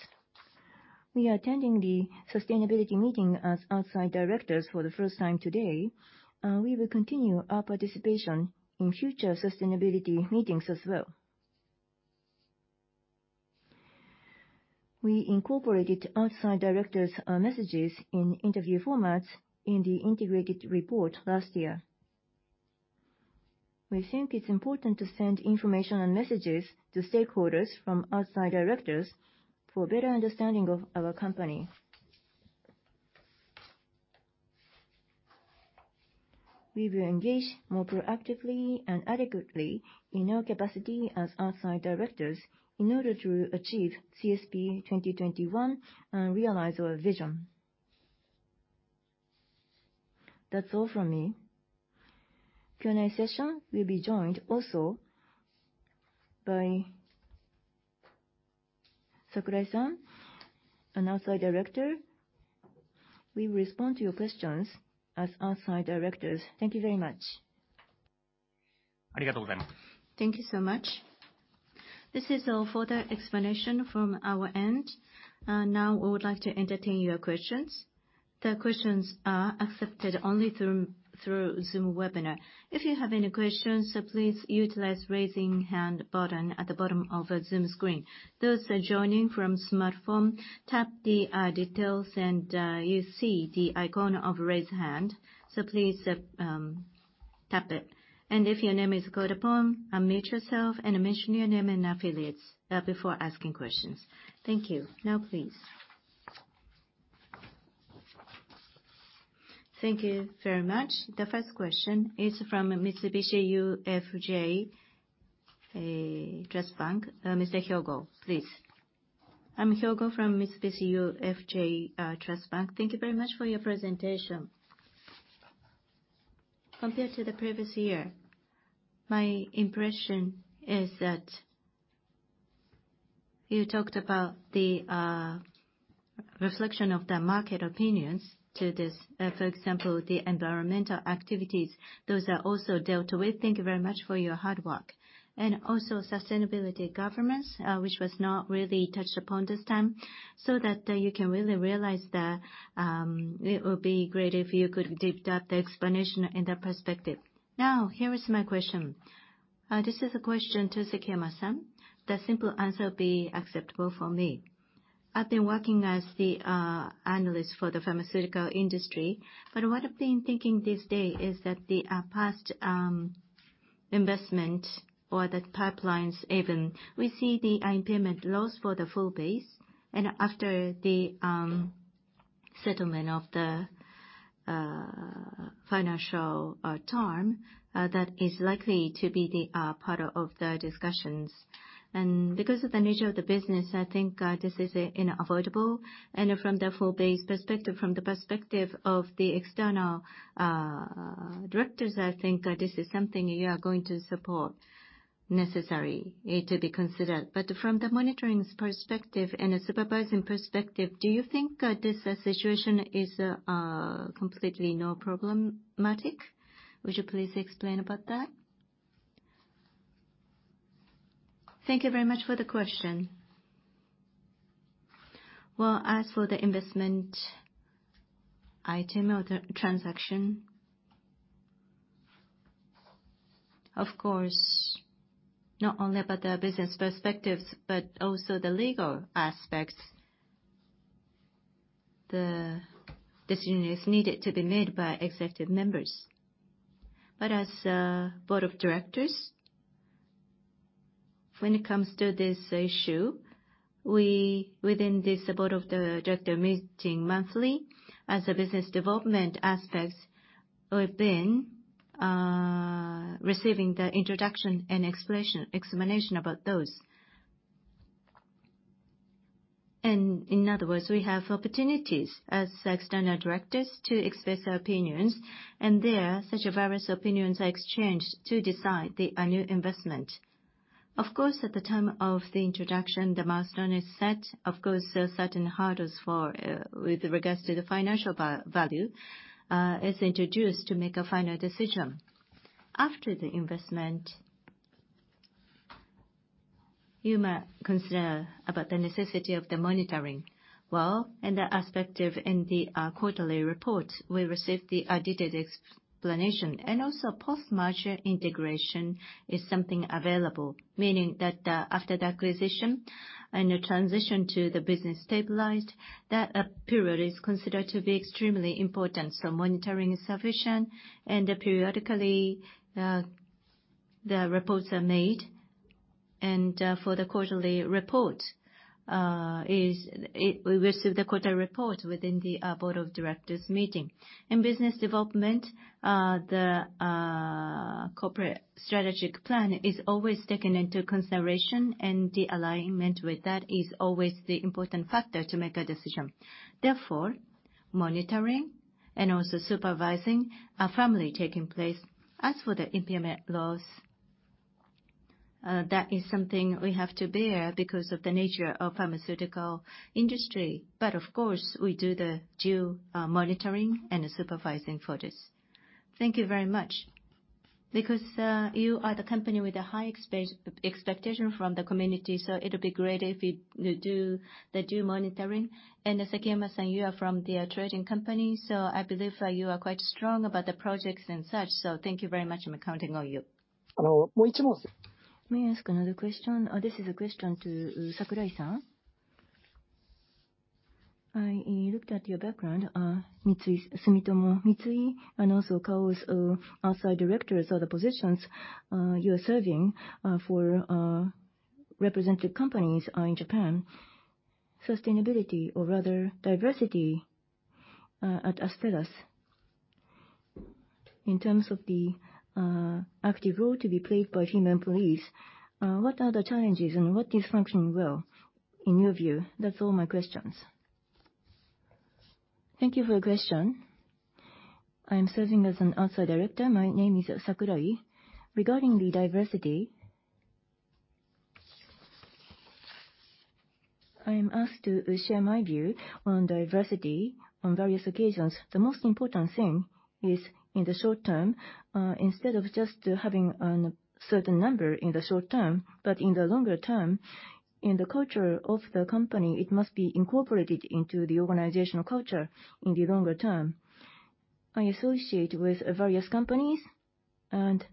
We are attending the sustainability meeting as outside directors for the first time today, we will continue our participation in future sustainability meetings as well. We incorporated outside directors' messages in interview formats in the integrated report last year. We think it's important to send information and messages to stakeholders from outside directors for better understanding of our company. We will engage more proactively and adequately in our capacity as outside directors in order to achieve CSP2021, and realize our vision. That's all from me. Q&A session will be joined also by Sakurai-san, an Outside Director. We will respond to your questions as outside directors. Thank you very much. Thank you so much. This is all for the explanation from our end. Now we would like to entertain your questions. The questions are accepted only through Zoom webinar. If you have any questions, please utilize raising hand button at the bottom of Zoom screen. Those joining from smartphone, tap the details and you see the icon of raise hand, so please tap it. If your name is called upon, unmute yourself and mention your name and affiliates before asking questions. Thank you. Now, please. Thank you very much. The first question is from Mitsubishi UFJ Trust Bank. Mr. Hyogo, please. I'm Hyogo from Mitsubishi UFJ Trust Bank. Thank you very much for your presentation. Compared to the previous year, my impression is that you talked about the reflection of the market opinions to this, for example, the environmental activities. Those are also dealt with. Thank you very much for your hard work. Also sustainability governance, which was not really touched upon this time, so that you can really realize that it would be great if you could give that explanation in that perspective. Here is my question. This is a question to Sekiyama-san. The simple answer will be acceptable for me. I've been working as the analyst for the pharmaceutical industry, but what I've been thinking this day is that the past investment or the pipelines even, we see the impairment loss for the full base. After the settlement of the financial term, that is likely to be the part of the discussions. Because of the nature of the business, I think, this is, you know, avoidable. From the full base perspective, from the perspective of the external directors, I think, this is something you are going to support necessary, it to be considered. From the monitoring's perspective and a supervising perspective, do you think, this situation is completely no problematic? Would you please explain about that? Thank you very much for the question. Well, as for the investment item or the transaction, of course, not only about the business perspectives, but also the legal aspects, the decision is needed to be made by executive members. As a Board of Directors, when it comes to this issue, we, within this board of the director meeting monthly as a business development aspects, we've been receiving the introduction and explanation, examination about those. In other words, we have opportunities as external directors to express our opinions, and there such various opinions are exchanged to decide a new investment. Of course, at the time of the introduction, the milestone is set. Of course, there are certain hurdles with regards to the financial value is introduced to make a final decision. After the investment, you might consider about the necessity of the monitoring. Well, in the aspect of in the quarterly report, we received the detailed explanation. Post-merger integration is something available, meaning that, after the acquisition and the transition to the business stabilized, that period is considered to be extremely important. Monitoring is sufficient, and periodically, the reports are made. For the quarterly report, we receive the quarterly report within the board of directors meeting. In business development, the Corporate Strategic Plan is always taken into consideration, and the alignment with that is always the important factor to make a decision. Monitoring and also supervising are firmly taking place. As for the impairment loss, that is something we have to bear because of the nature of pharmaceutical industry. Of course, we do the due, monitoring and supervising for this. Thank you very much. You are the company with a high expectation from the community, so it'll be great if you do the due monitoring. Sekiyama-san, you are from the trading company, so I believe you are quite strong about the projects and such. Thank you very much. I'm counting on you. May I ask another question? This is a question to Sakurai-san. I looked at your background, Sumitomo Mitsui, and also Kao's Outside Directors are the positions you are serving for representative companies in Japan. Sustainability or rather diversity at Astellas in terms of the active role to be played by female employees, what are the challenges and what is functioning well in your view? That's all my questions. Thank you for your question. I am serving as an outside director. My name is Sakurai. Regarding the diversity, I am asked to share my view on diversity on various occasions. The most important thing is in the short term, instead of just having an certain number in the short term, but in the longer term, in the culture of the company, it must be incorporated into the organizational culture in the longer term. I associate with various companies, and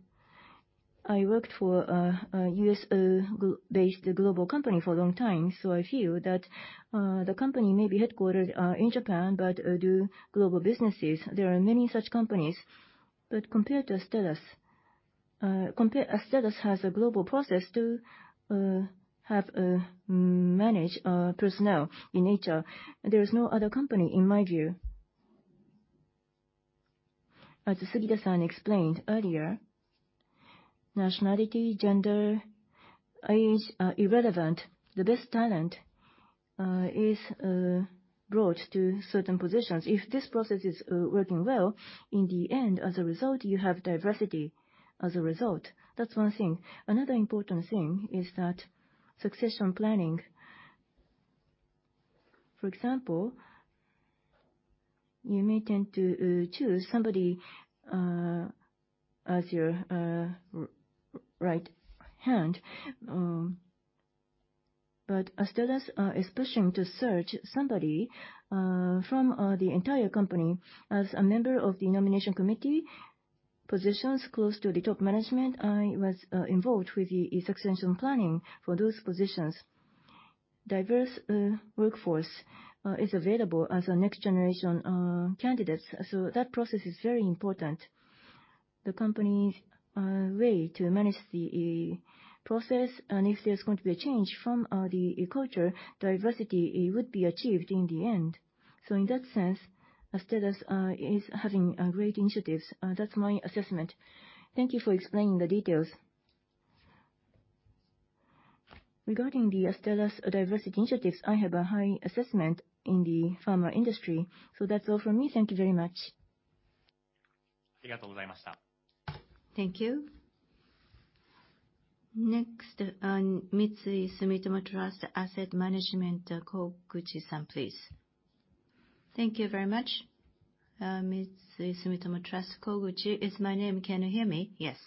I worked for a U.S. based global company for a long time. I feel that the company may be headquartered in Japan, but do global businesses. There are many such companies. Compared to Astellas has a global process to have, manage, personnel in nature. There is no other company in my view. As Sugita-san explained earlier, nationality, gender, age are irrelevant. The best talent is brought to certain positions. If this process is working well, in the end, as a result, you have diversity as a result. That's one thing. Another important thing is that succession planning. For example, you may tend to choose somebody as your right hand. Astellas is pushing to search somebody from the entire company. As a member of the Nomination Committee positions close to the top management, I was involved with the succession planning for those positions. Diverse workforce is available as a next generation candidates. That process is very important. The company's way to manage the process, and if there's going to be a change from the culture, diversity, it would be achieved in the end. In that sense, Astellas is having great initiatives. That's my assessment. Thank you for explaining the details. Regarding the Astellas diversity initiatives, I have a high assessment in the pharma industry. That's all from me. Thank you very much. Thank you. Next, Sumitomo Mitsui Trust Asset Management, Koguchi-san, please. Thank you very much. Sumitomo Mitsui Trust, Koguchi is my name. Can you hear me? Yes.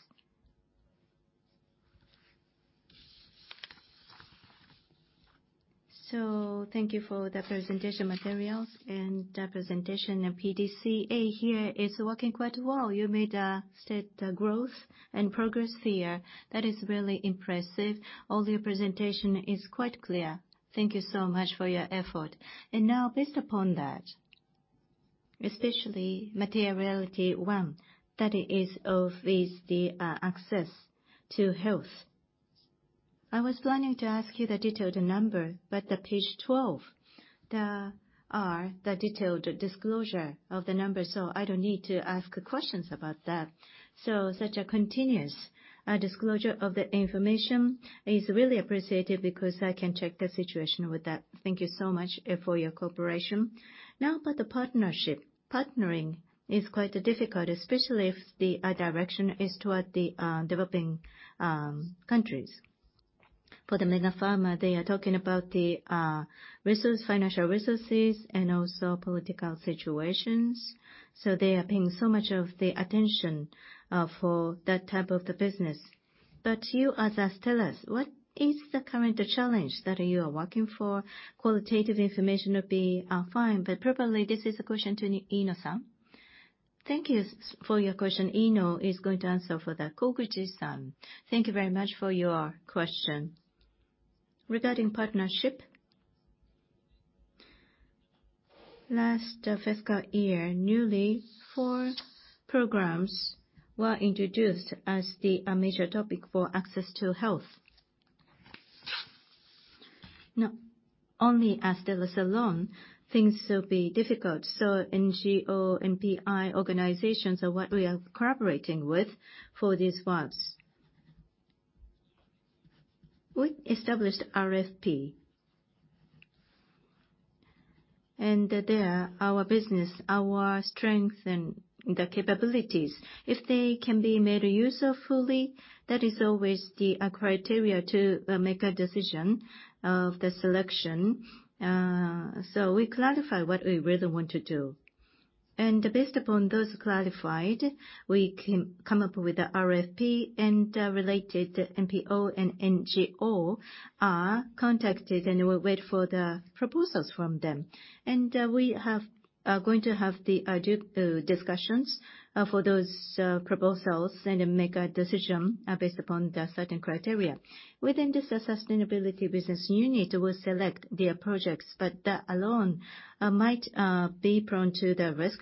Thank you for the presentation materials and the presentation of PDCA here. It's working quite well. You made growth and progress here. That is really impressive. All your presentation is quite clear. Thank you so much for your effort. Now based upon that, especially materiality one, that is the access to health. I was planning to ask you the detailed number, but page 12, there are the detailed disclosure of the numbers, so I don't need to ask questions about that. Such a continuous disclosure of the information is really appreciated because I can check the situation with that. Thank you so much for your cooperation. Now about the partnership. Partnering is quite difficult, especially if the direction is toward the developing countries. For the major pharma, they are talking about the resource, financial resources and also political situations, so they are paying so much of the attention for that type of the business. You as Astellas, what is the current challenge that you are working for? Qualitative information would be fine, but probably this is a question to Iino-san. Thank you for your question. Iino is going to answer for that. Koguchi-san, thank you very much for your question. Regarding partnership, last fiscal year, newly four programs were introduced as the major topic for access to health. Now, only Astellas alone, things will be difficult, so NGO, NPI organizations are what we are collaborating with for these works. We established RFP. There, our business, our strength and the capabilities, if they can be made use of fully, that is always the criteria to make a decision of the selection. We clarify what we really want to do. Based upon those clarified, we come up with the RFP and related NPO and NGO are contacted, and we'll wait for the proposals from them. We are going to have the due discussions for those proposals and then make a decision based upon the certain criteria. Within this sustainability business unit, we'll select their projects. That alone might be prone to the risk.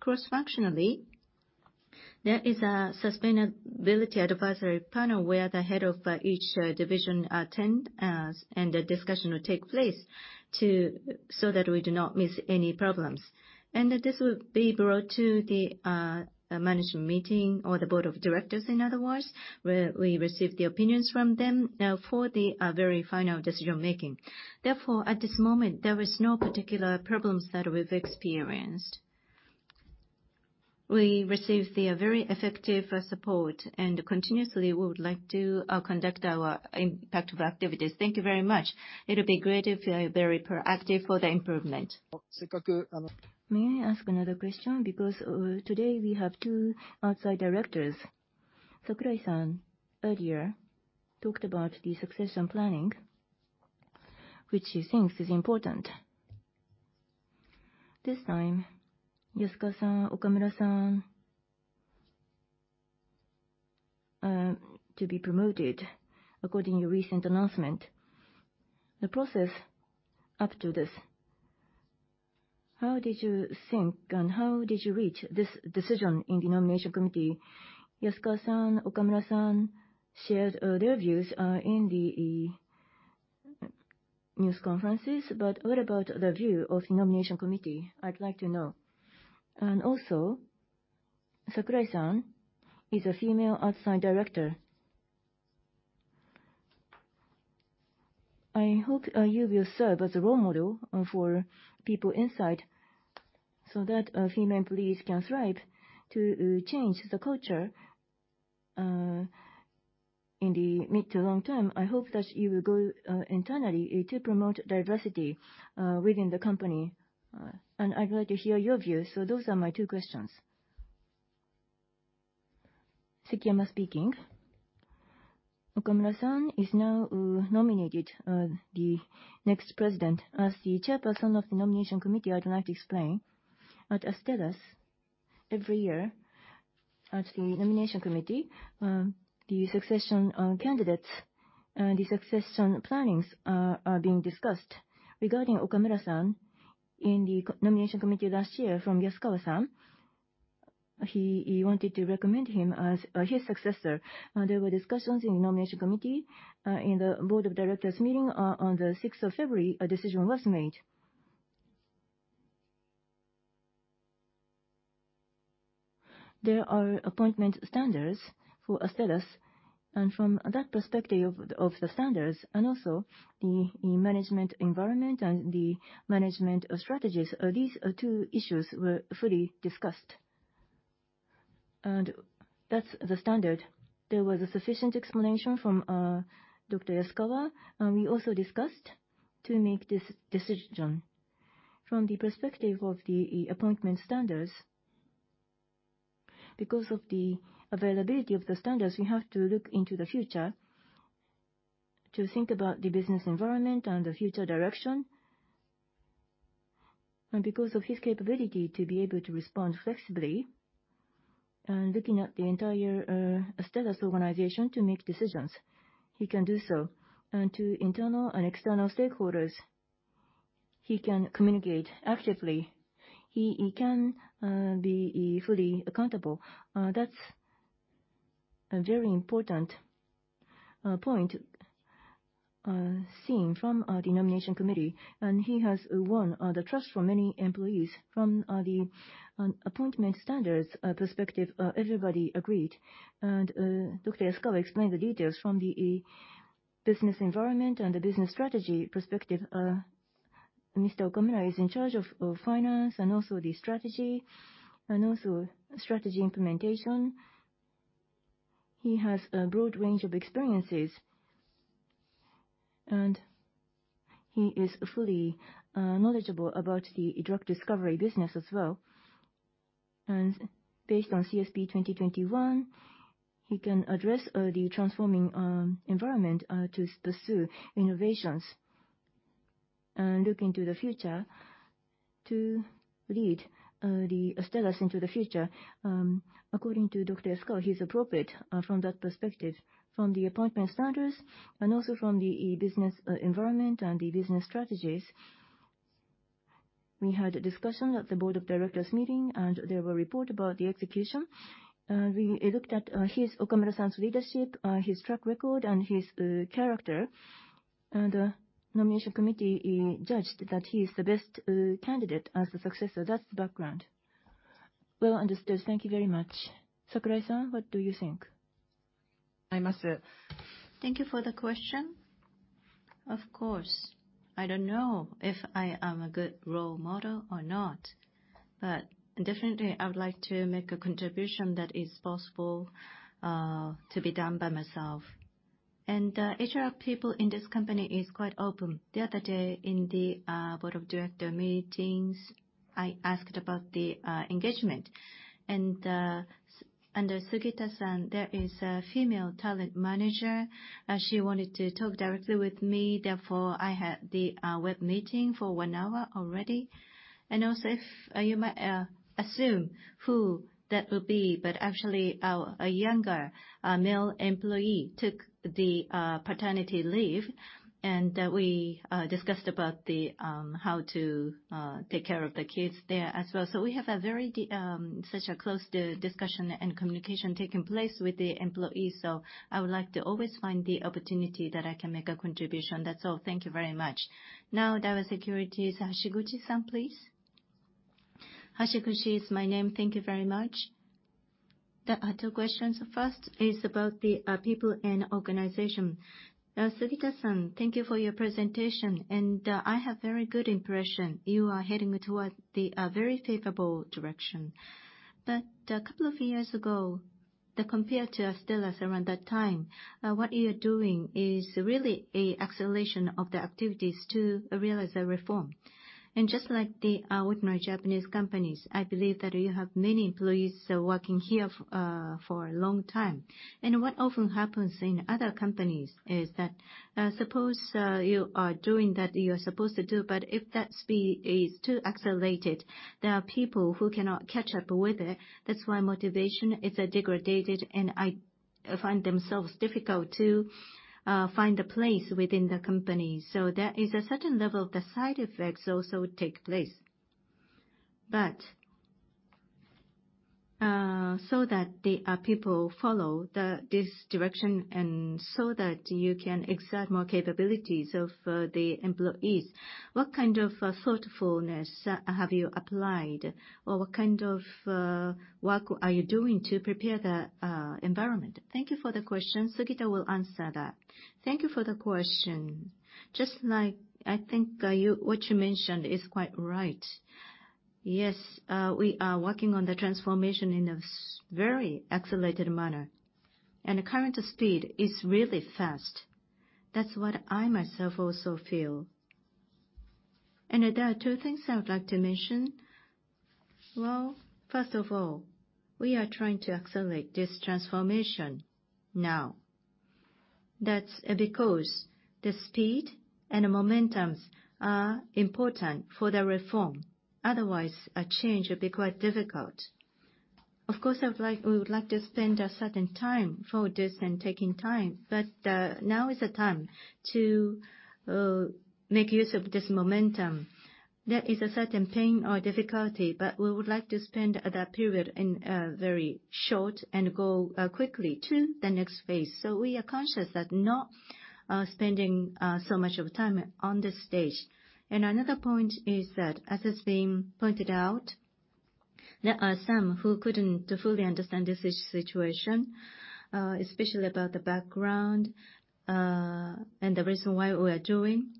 Cross-functionally, there is a Sustainability Advisory Panel where the head of each division attend and a discussion will take place to, so that we do not miss any problems. This will be brought to the management meeting or the Board of Directors, in other words, where we receive the opinions from them for the very final decision-making. At this moment, there is no particular problems that we've experienced. We receive their very effective support, and continuously we would like to conduct our impact of activities. Thank you very much. It'll be great if you are very proactive for the improvement. May I ask another question? Because, today we have two Outside Directors. Sakurai-san earlier talked about the succession planning, which he thinks is important. This time, Yasukawa-san, Okamura-san, to be promoted according to recent announcement. The process up to this, how did you think and how did you reach this decision in the Nomination Committee? Yasukawa-san, Okamura-san shared their views in the news conferences, but what about the view of the Nomination Committee? I'd like to know. Also, Sakurai-san is a female Outside Director. I hope you will serve as a role model for people inside so that female employees can thrive to change the culture in the mid to long term. I hope that you will go internally to promote diversity within the company. I'd like to hear your views. Those are my two questions. Sekiyama speaking. Okamura-san is now nominated the next president. As the Chairperson of the Nomination Committee, I'd like to explain. At Astellas, every year at the Nomination Committee, the succession plannings are being discussed. Regarding Okamura-san, in the Nomination Committee last year from Yasukawa-san, he wanted to recommend him as his successor. There were discussions in the Nomination Committee, in the Board of Directors' meeting on the 6th of February, a decision was made. There are appointment standards for Astellas, from that perspective of the standards and also the management environment and the management strategies, these two issues were fully discussed. That's the standard. There was a sufficient explanation from Dr. Yasukawa, we also discussed to make this decision. From the perspective of the appointment standards, because of the availability of the standards, we have to look into the future to think about the business environment and the future direction. Because of his capability to be able to respond flexibly, and looking at the entire Astellas organization to make decisions, he can do so. To internal and external stakeholders, he can communicate actively. He can be fully accountable. That's a very important point seen from the Nomination Committee, and he has won the trust from many employees. From the appointment standards perspective, everybody agreed. Dr. Yasukawa explained the details from the business environment and the business strategy perspective. Mr. Okamura is in charge of finance and also the strategy and also strategy implementation. He has a broad range of experiences, and he is fully knowledgeable about the drug discovery business as well. Based on CSP2021, he can address the transforming environment to pursue innovations and look into the future to lead the Astellas into the future. According to Dr. Yasukawa, he's appropriate from that perspective. From the appointment standards and also from the business environment and the business strategies, we had a discussion at the board of directors meeting, and there were report about the execution. We looked at his, Okamura-san's leadership, his track record and his character. The Nomination Committee judged that he's the best candidate as the successor. That's the background. Well understood. Thank you very much. Sakurai-san, what do you think? Thank you for the question. Of course, I don't know if I am a good role model or not, but definitely I would like to make a contribution that is possible to be done by myself. HR people in this company is quite open. The other day in the Board of Director meetings, I asked about the engagement. Under Sugita-san, there is a female talent manager. She wanted to talk directly with me, therefore, I had the web meeting for 1 hour already. Also if you might assume who that will be, but actually our a younger male employee took the paternity leave, we discussed about the how to take care of the kids there as well. We have a very such a close to discussion and communication taking place with the employees. I would like to always find the opportunity that I can make a contribution. That's all. Thank you very much. Now, Daiwa Securities, Hashiguchi-san, please. Hashiguchi is my name. Thank you very much. There are two questions. First is about the people and organization. Sugita-san, thank you for your presentation. I have very good impression. You are heading toward the very favorable direction. A couple of years ago, the compared to Astellas around that time, what you are doing is really a acceleration of the activities to realize a reform. Just like the ordinary Japanese companies, I believe that you have many employees working here for a long time. What often happens in other companies is that, suppose, you are doing that you are supposed to do, but if that speed is too accelerated, there are people who cannot catch up with it. That's why motivation is degraded, and I find themselves difficult to find a place within the company. There is a certain level of the side effects also take place. So that the people follow this direction and so that you can exert more capabilities of the employees, what kind of thoughtfulness have you applied? Or what kind of work are you doing to prepare the environment? Thank you for the question. Sugita will answer that. Thank you for the question. Just like, I think, you, what you mentioned is quite right. Yes, we are working on the transformation in a very accelerated manner, and the current speed is really fast. That's what I myself also feel. There are two things I would like to mention. First of all, we are trying to accelerate this transformation now. That's because the speed and the momentums are important for the reform. Otherwise, a change would be quite difficult. Of course, we would like to spend a certain time for this and taking time, but now is the time to make use of this momentum. There is a certain pain or difficulty, but we would like to spend that period in very short and go quickly to the next phase. We are conscious that not spending so much of time on this stage. Another point is that as it's been pointed out, there are some who couldn't fully understand this situation, especially about the background, and the reason why we are doing.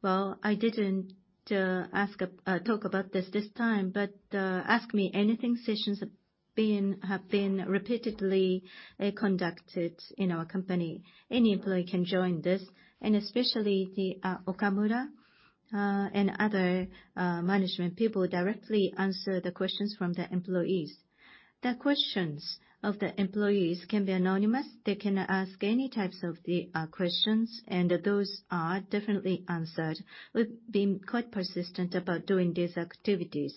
Well, I didn't talk about this this time, but Ask Me Anything sessions have been repeatedly conducted in our company. Any employee can join this, especially Okamura and other management people directly answer the questions from the employees. The questions of the employees can be anonymous. They can ask any types of the questions, and those are definitely answered. We've been quite persistent about doing these activities.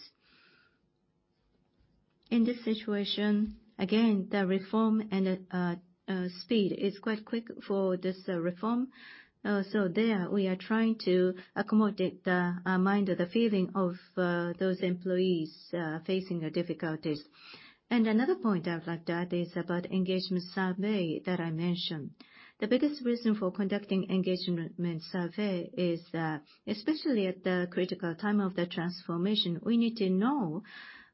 In this situation, again, the reform and speed is quite quick for this reform. There we are trying to accommodate the mind or the feeling of those employees facing the difficulties. Another point I would like to add is about engagement survey that I mentioned. The biggest reason for conducting engagement survey is that especially at the critical time of the transformation, we need to know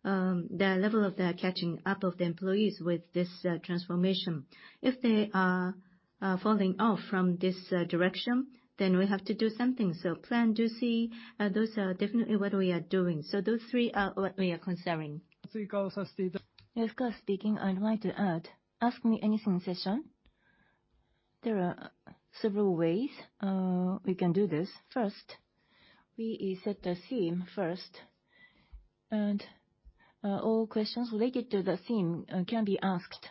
the level of the catching up of the employees with this transformation. If they are falling off from this direction, then we have to do something. Plan, do, see, those are definitely what we are doing. Those three are what we are considering. Yasukawa speaking, I'd like to add, Ask Me Anything session. There are several ways we can do this. First, we set a theme first, all questions related to the theme can be asked.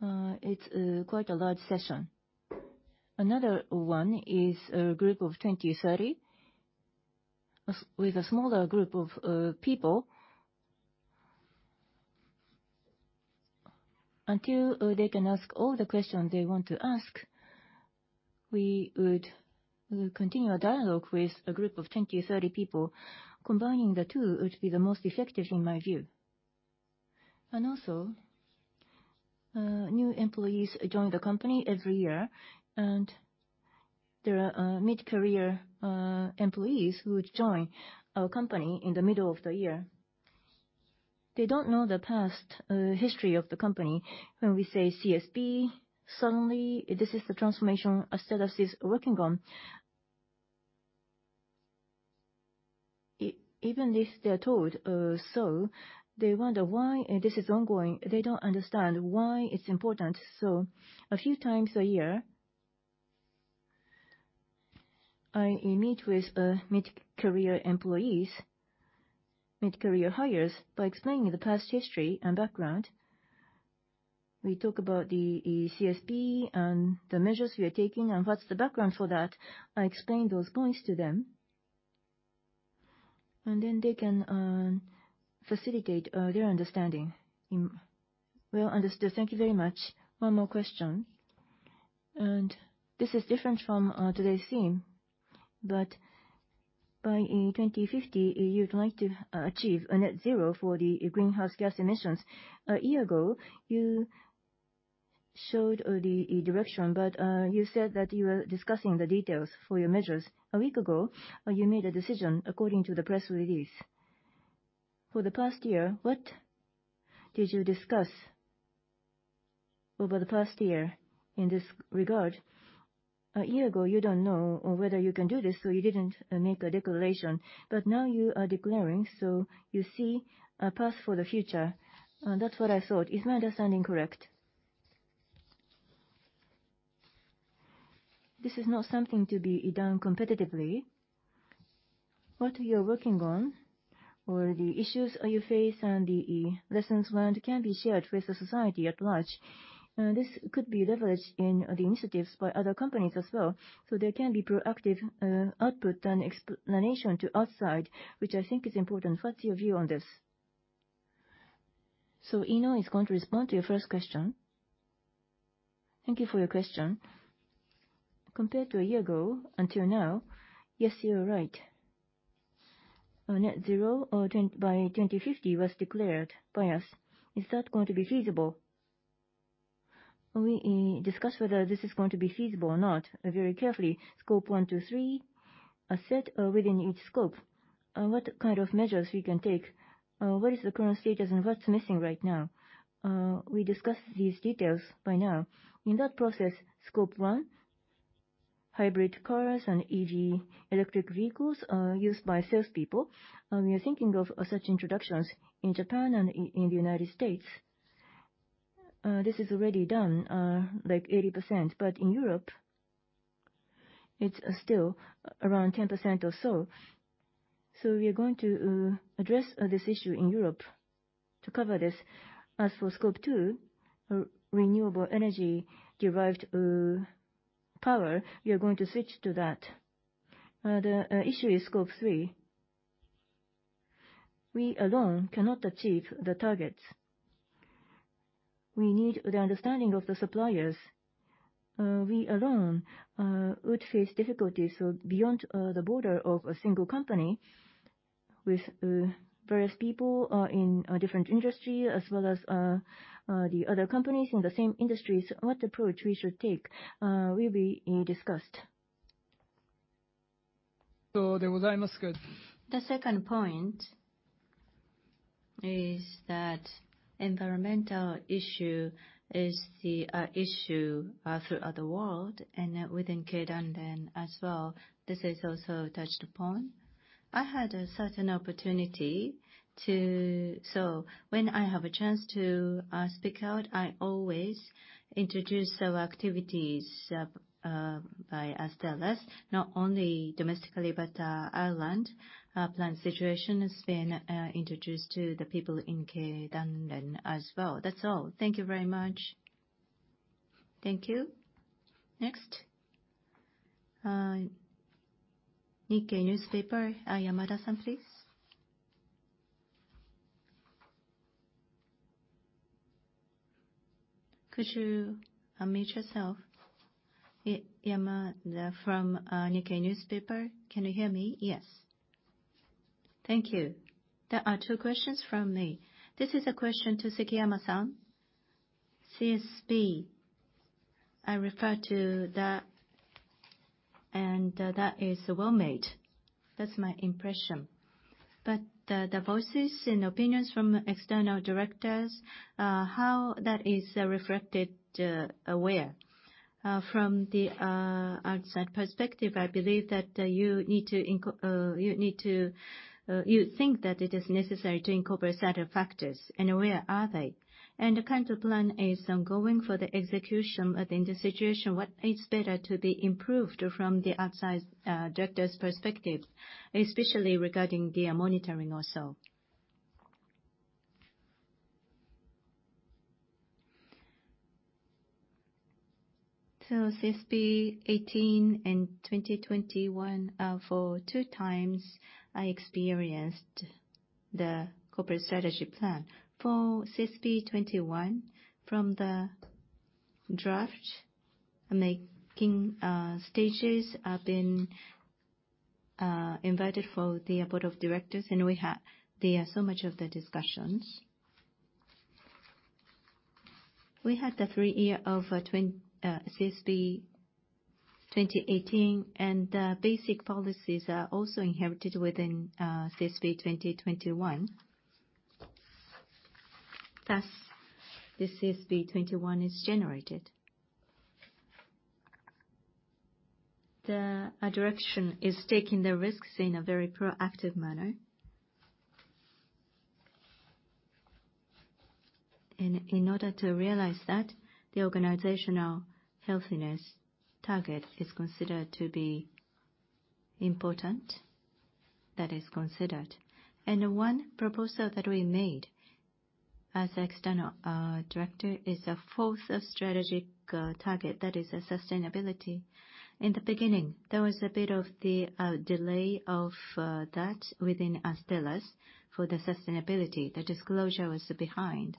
It's quite a large session. Another one is a group of 20, 30 with a smaller group of people. Until they can ask all the questions they want to ask, we'll continue a dialogue with a group of 20, 30 people. Combining the two would be the most effective in my view. Also, new employees join the company every year, there are mid-career employees who would join our company in the middle of the year. They don't know the past history of the company. When we say CSP, suddenly this is the transformation Astellas working on. Even if they're told, they wonder why this is ongoing. They don't understand why it's important. A few times a year, I meet with mid-career employees, mid-career hires by explaining the past history and background. We talk about the CSP and the measures we are taking and what's the background for that. I explain those points to them, and then they can facilitate their understanding. Well understood. Thank you very much. One more question. This is different from today's theme, by in 2050, you'd like to achieve a net zero for the greenhouse gas emissions. A year ago, you showed the direction, you said that you were discussing the details for your measures. A week ago, you made a decision according to the press release. For the past year, what did you discuss over the past year in this regard? A year ago, you don't know or whether you can do this. You didn't make a declaration, but now you are declaring, so you see a path for the future. That's what I thought. Is my understanding correct? This is not something to be done competitively. What you're working on or the issues you face and the lessons learned can be shared with the society at large. This could be leveraged in the initiatives by other companies as well. There can be proactive output and explanation to outside, which I think is important. What's your view on this? Iino is going to respond to your first question. Thank you for your question. Compared to a year ago until now, yes, you are right. Net zero by 2050 was declared by us. Is that going to be feasible? We discussed whether this is going to be feasible or not, very carefully. Scope 1, 2, 3 are set within each scope. What kind of measures we can take? What is the current status and what's missing right now? We discussed these details by now. In that process, Scope 1, hybrid cars and EV, electric vehicles, are used by salespeople. We are thinking of such introductions in Japan and in the United States. This is already done, like 80%, but in Europe, it's still around 10% or so. We are going to address this issue in Europe to cover this. As for Scope 2, renewable energy derived power, we are going to switch to that. The issue is Scope 3. We alone cannot achieve the targets. We need the understanding of the suppliers. We alone would face difficulties or beyond the border of a single company with various people in a different industry as well as the other companies in the same industries. What approach we should take will be discussed. The second point is that environmental issue is the issue throughout the world and within Keidanren as well. This is also touched upon. I had a certain opportunity to. When I have a chance to speak out, I always introduce our activities by Astellas, not only domestically, but Ireland. Our plant situation has been introduced to the people in Keidanren as well. That's all. Thank you very much. Thank you. Next, Nikkei Newspaper. Yamada-san, please. Could you mute yourself? Yamada from Nikkei Newspaper. Can you hear me? Yes. Thank you. There are two questions from me. This is a question to Sekiyama-san. CSP, I refer to that is well-made. That's my impression. The voices and opinions from external directors, how that is reflected, where? From the outside perspective, I believe that you think that it is necessary to incorporate certain factors, and where are they? The kind of plan is ongoing for the execution. In this situation, what is better to be improved from the outside director's perspective, especially regarding the monitoring also? CSP2018 and CSP2021, for two times I experienced the Corporate Strategic Plan. For CSP2021, from the draft making stages, I've been invited for the Board of Directors, and we had there so much of the discussions. We had the three year of CSP2018, and basic policies are also inherited within CSP2021. Thus, the CSP2021 is generated. The direction is taking the risks in a very proactive manner. In order to realize that, the organizational health goals is considered to be important. One proposal that we made as external director is a fourth strategic target that is a sustainability. In the beginning, there was a bit of the delay of that within Astellas for the sustainability. The disclosure was behind.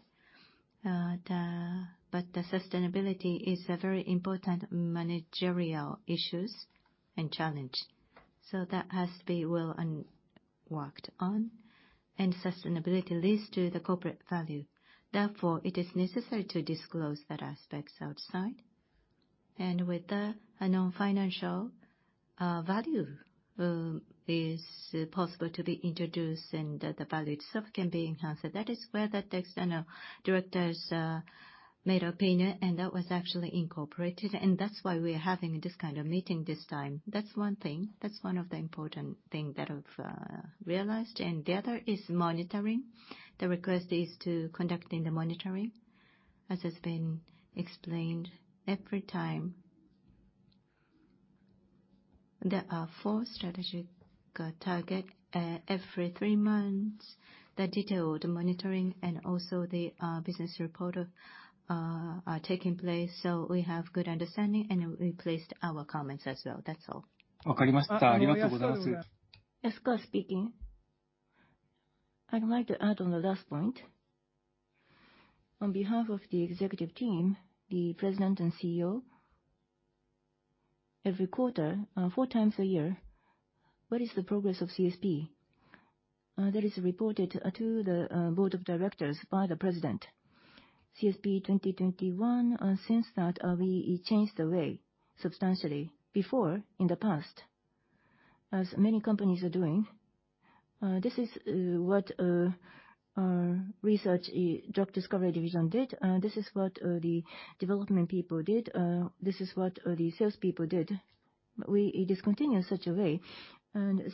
The sustainability is a very important managerial issues and challenge. That has to be well worked on. Sustainability leads to the corporate value. Therefore, it is necessary to disclose that aspects outside. With that, a non-financial value is possible to be introduced and the value itself can be enhanced. That is where the external directors made opinion and that was actually incorporated. That's why we are having this kind of meeting this time. That's one thing. That's one of the important thing that I've realized. The other is monitoring. The request is to conducting the monitoring. As has been explained every time, there are four strategic target. Every three months, the detailed monitoring and also the business report are taking place. We have good understanding, and we placed our comments as well. That's all. Yasukawa speaking. I'd like to add on the last point. On behalf of the executive team, the President and CEO, every quarter, four times a year, what is the progress of CSP? That is reported to the Board of Directors by the President. CSP2021, since that, we changed the way substantially. Before, in the past, as many companies are doing, this is what our research, drug discovery division did, this is what the development people did, this is what the salespeople did. We discontinued such a way, and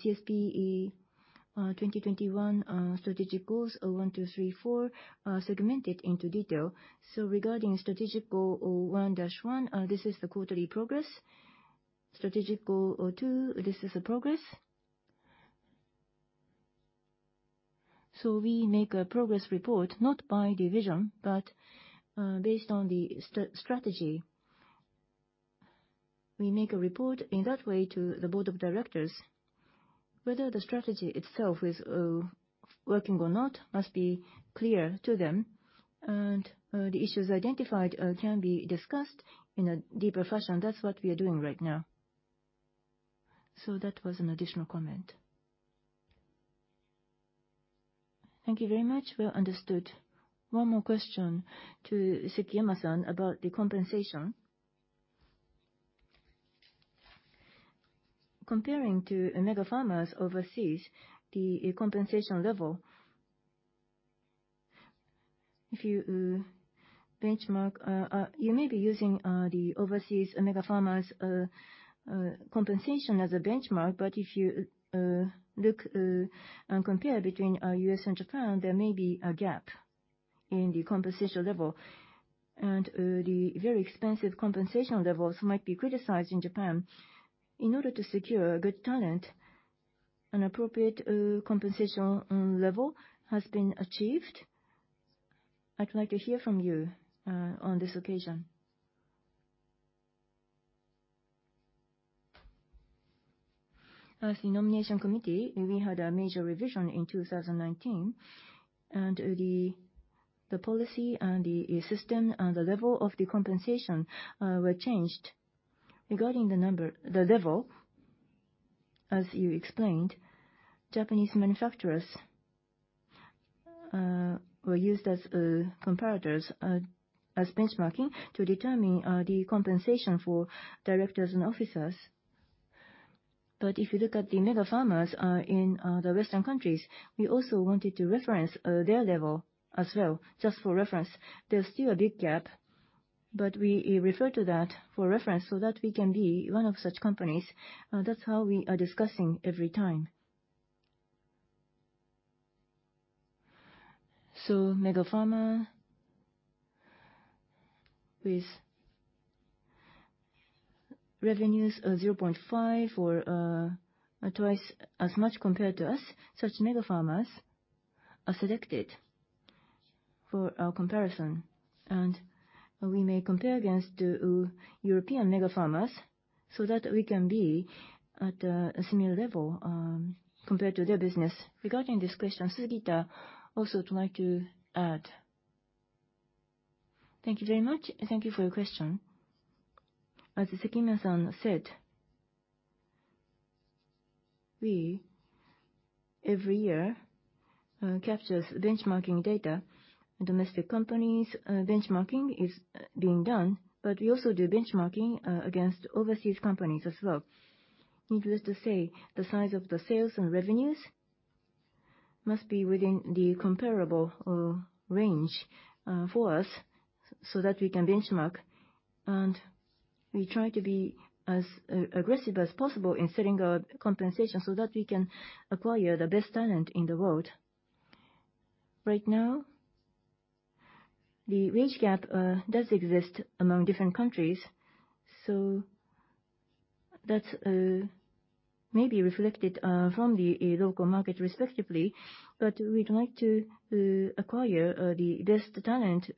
CSP2021, strategic goals one, two, three, four are segmented into detail. Regarding strategic goal 1-1, this is the quarterly progress. Strategic goal 2-2, this is the progress. We make a progress report not by division, but based on the strategy. We make a report in that way to the board of directors. Whether the strategy itself is working or not must be clear to them, and the issues identified can be discussed in a deeper fashion. That's what we are doing right now. That was an additional comment. Thank you very much. Well understood. One more question to Sekiyama-san about the compensation. Comparing to mega pharmas overseas, the compensation level, if you benchmark, you may be using the overseas mega pharmas compensation as a benchmark. If you look and compare between U.S. and Japan, there may be a gap in the compensation level. The very expensive compensation levels might be criticized in Japan. In order to secure good talent, an appropriate compensation level has been achieved. I'd like to hear from you on this occasion. As the Nomination Committee, we had a major revision in 2019. The policy and the system and the level of the compensation were changed. Regarding the number, the level, as you explained, Japanese manufacturers were used as comparators as benchmarking to determine the compensation for directors and officers. If you look at the mega pharmas in the Western countries, we also wanted to reference their level as well, just for reference. There's still a big gap, but we refer to that for reference so that we can be one of such companies. That's how we are discussing every time. Mega pharma with revenues of 0.5x or 2x as much compared to us, such mega pharmas are selected for our comparison. We may compare against the European mega pharmas so that we can be at a similar level compared to their business. Regarding this question, Sugita also would like to add. Thank you very much, and thank you for your question. As Sekiyama-san said, we every year captures benchmarking data. Domestic companies benchmarking is being done, but we also do benchmarking against overseas companies as well. Needless to say, the size of the sales and revenues must be within the comparable range for us so that we can benchmark. We try to be as aggressive as possible in setting our compensation so that we can acquire the best talent in the world. Right now, the wage gap does exist among different countries, so that may be reflected from the local market respectively. We'd like to acquire the best talent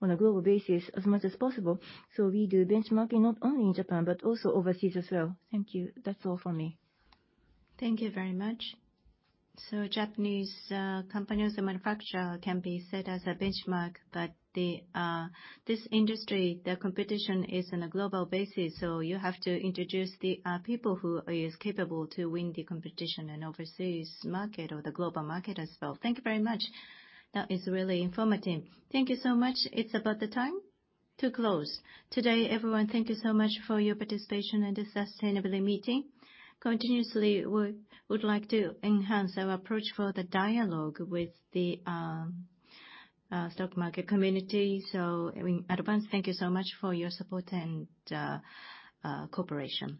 on a global basis as much as possible. We do benchmarking not only in Japan, but also overseas as well. Thank you. That's all for me. Thank you very much. Japanese companies and manufacturer can be set as a benchmark, but this industry, the competition is on a global basis. You have to introduce the people who is capable to win the competition in overseas market or the global market as well. Thank you very much. That is really informative. Thank you so much. It's about the time to close. Today, everyone, thank you so much for your participation in this sustainability meeting. Continuously, we would like to enhance our approach for the dialogue with the stock market community. In advance, thank you so much for your support and cooperation.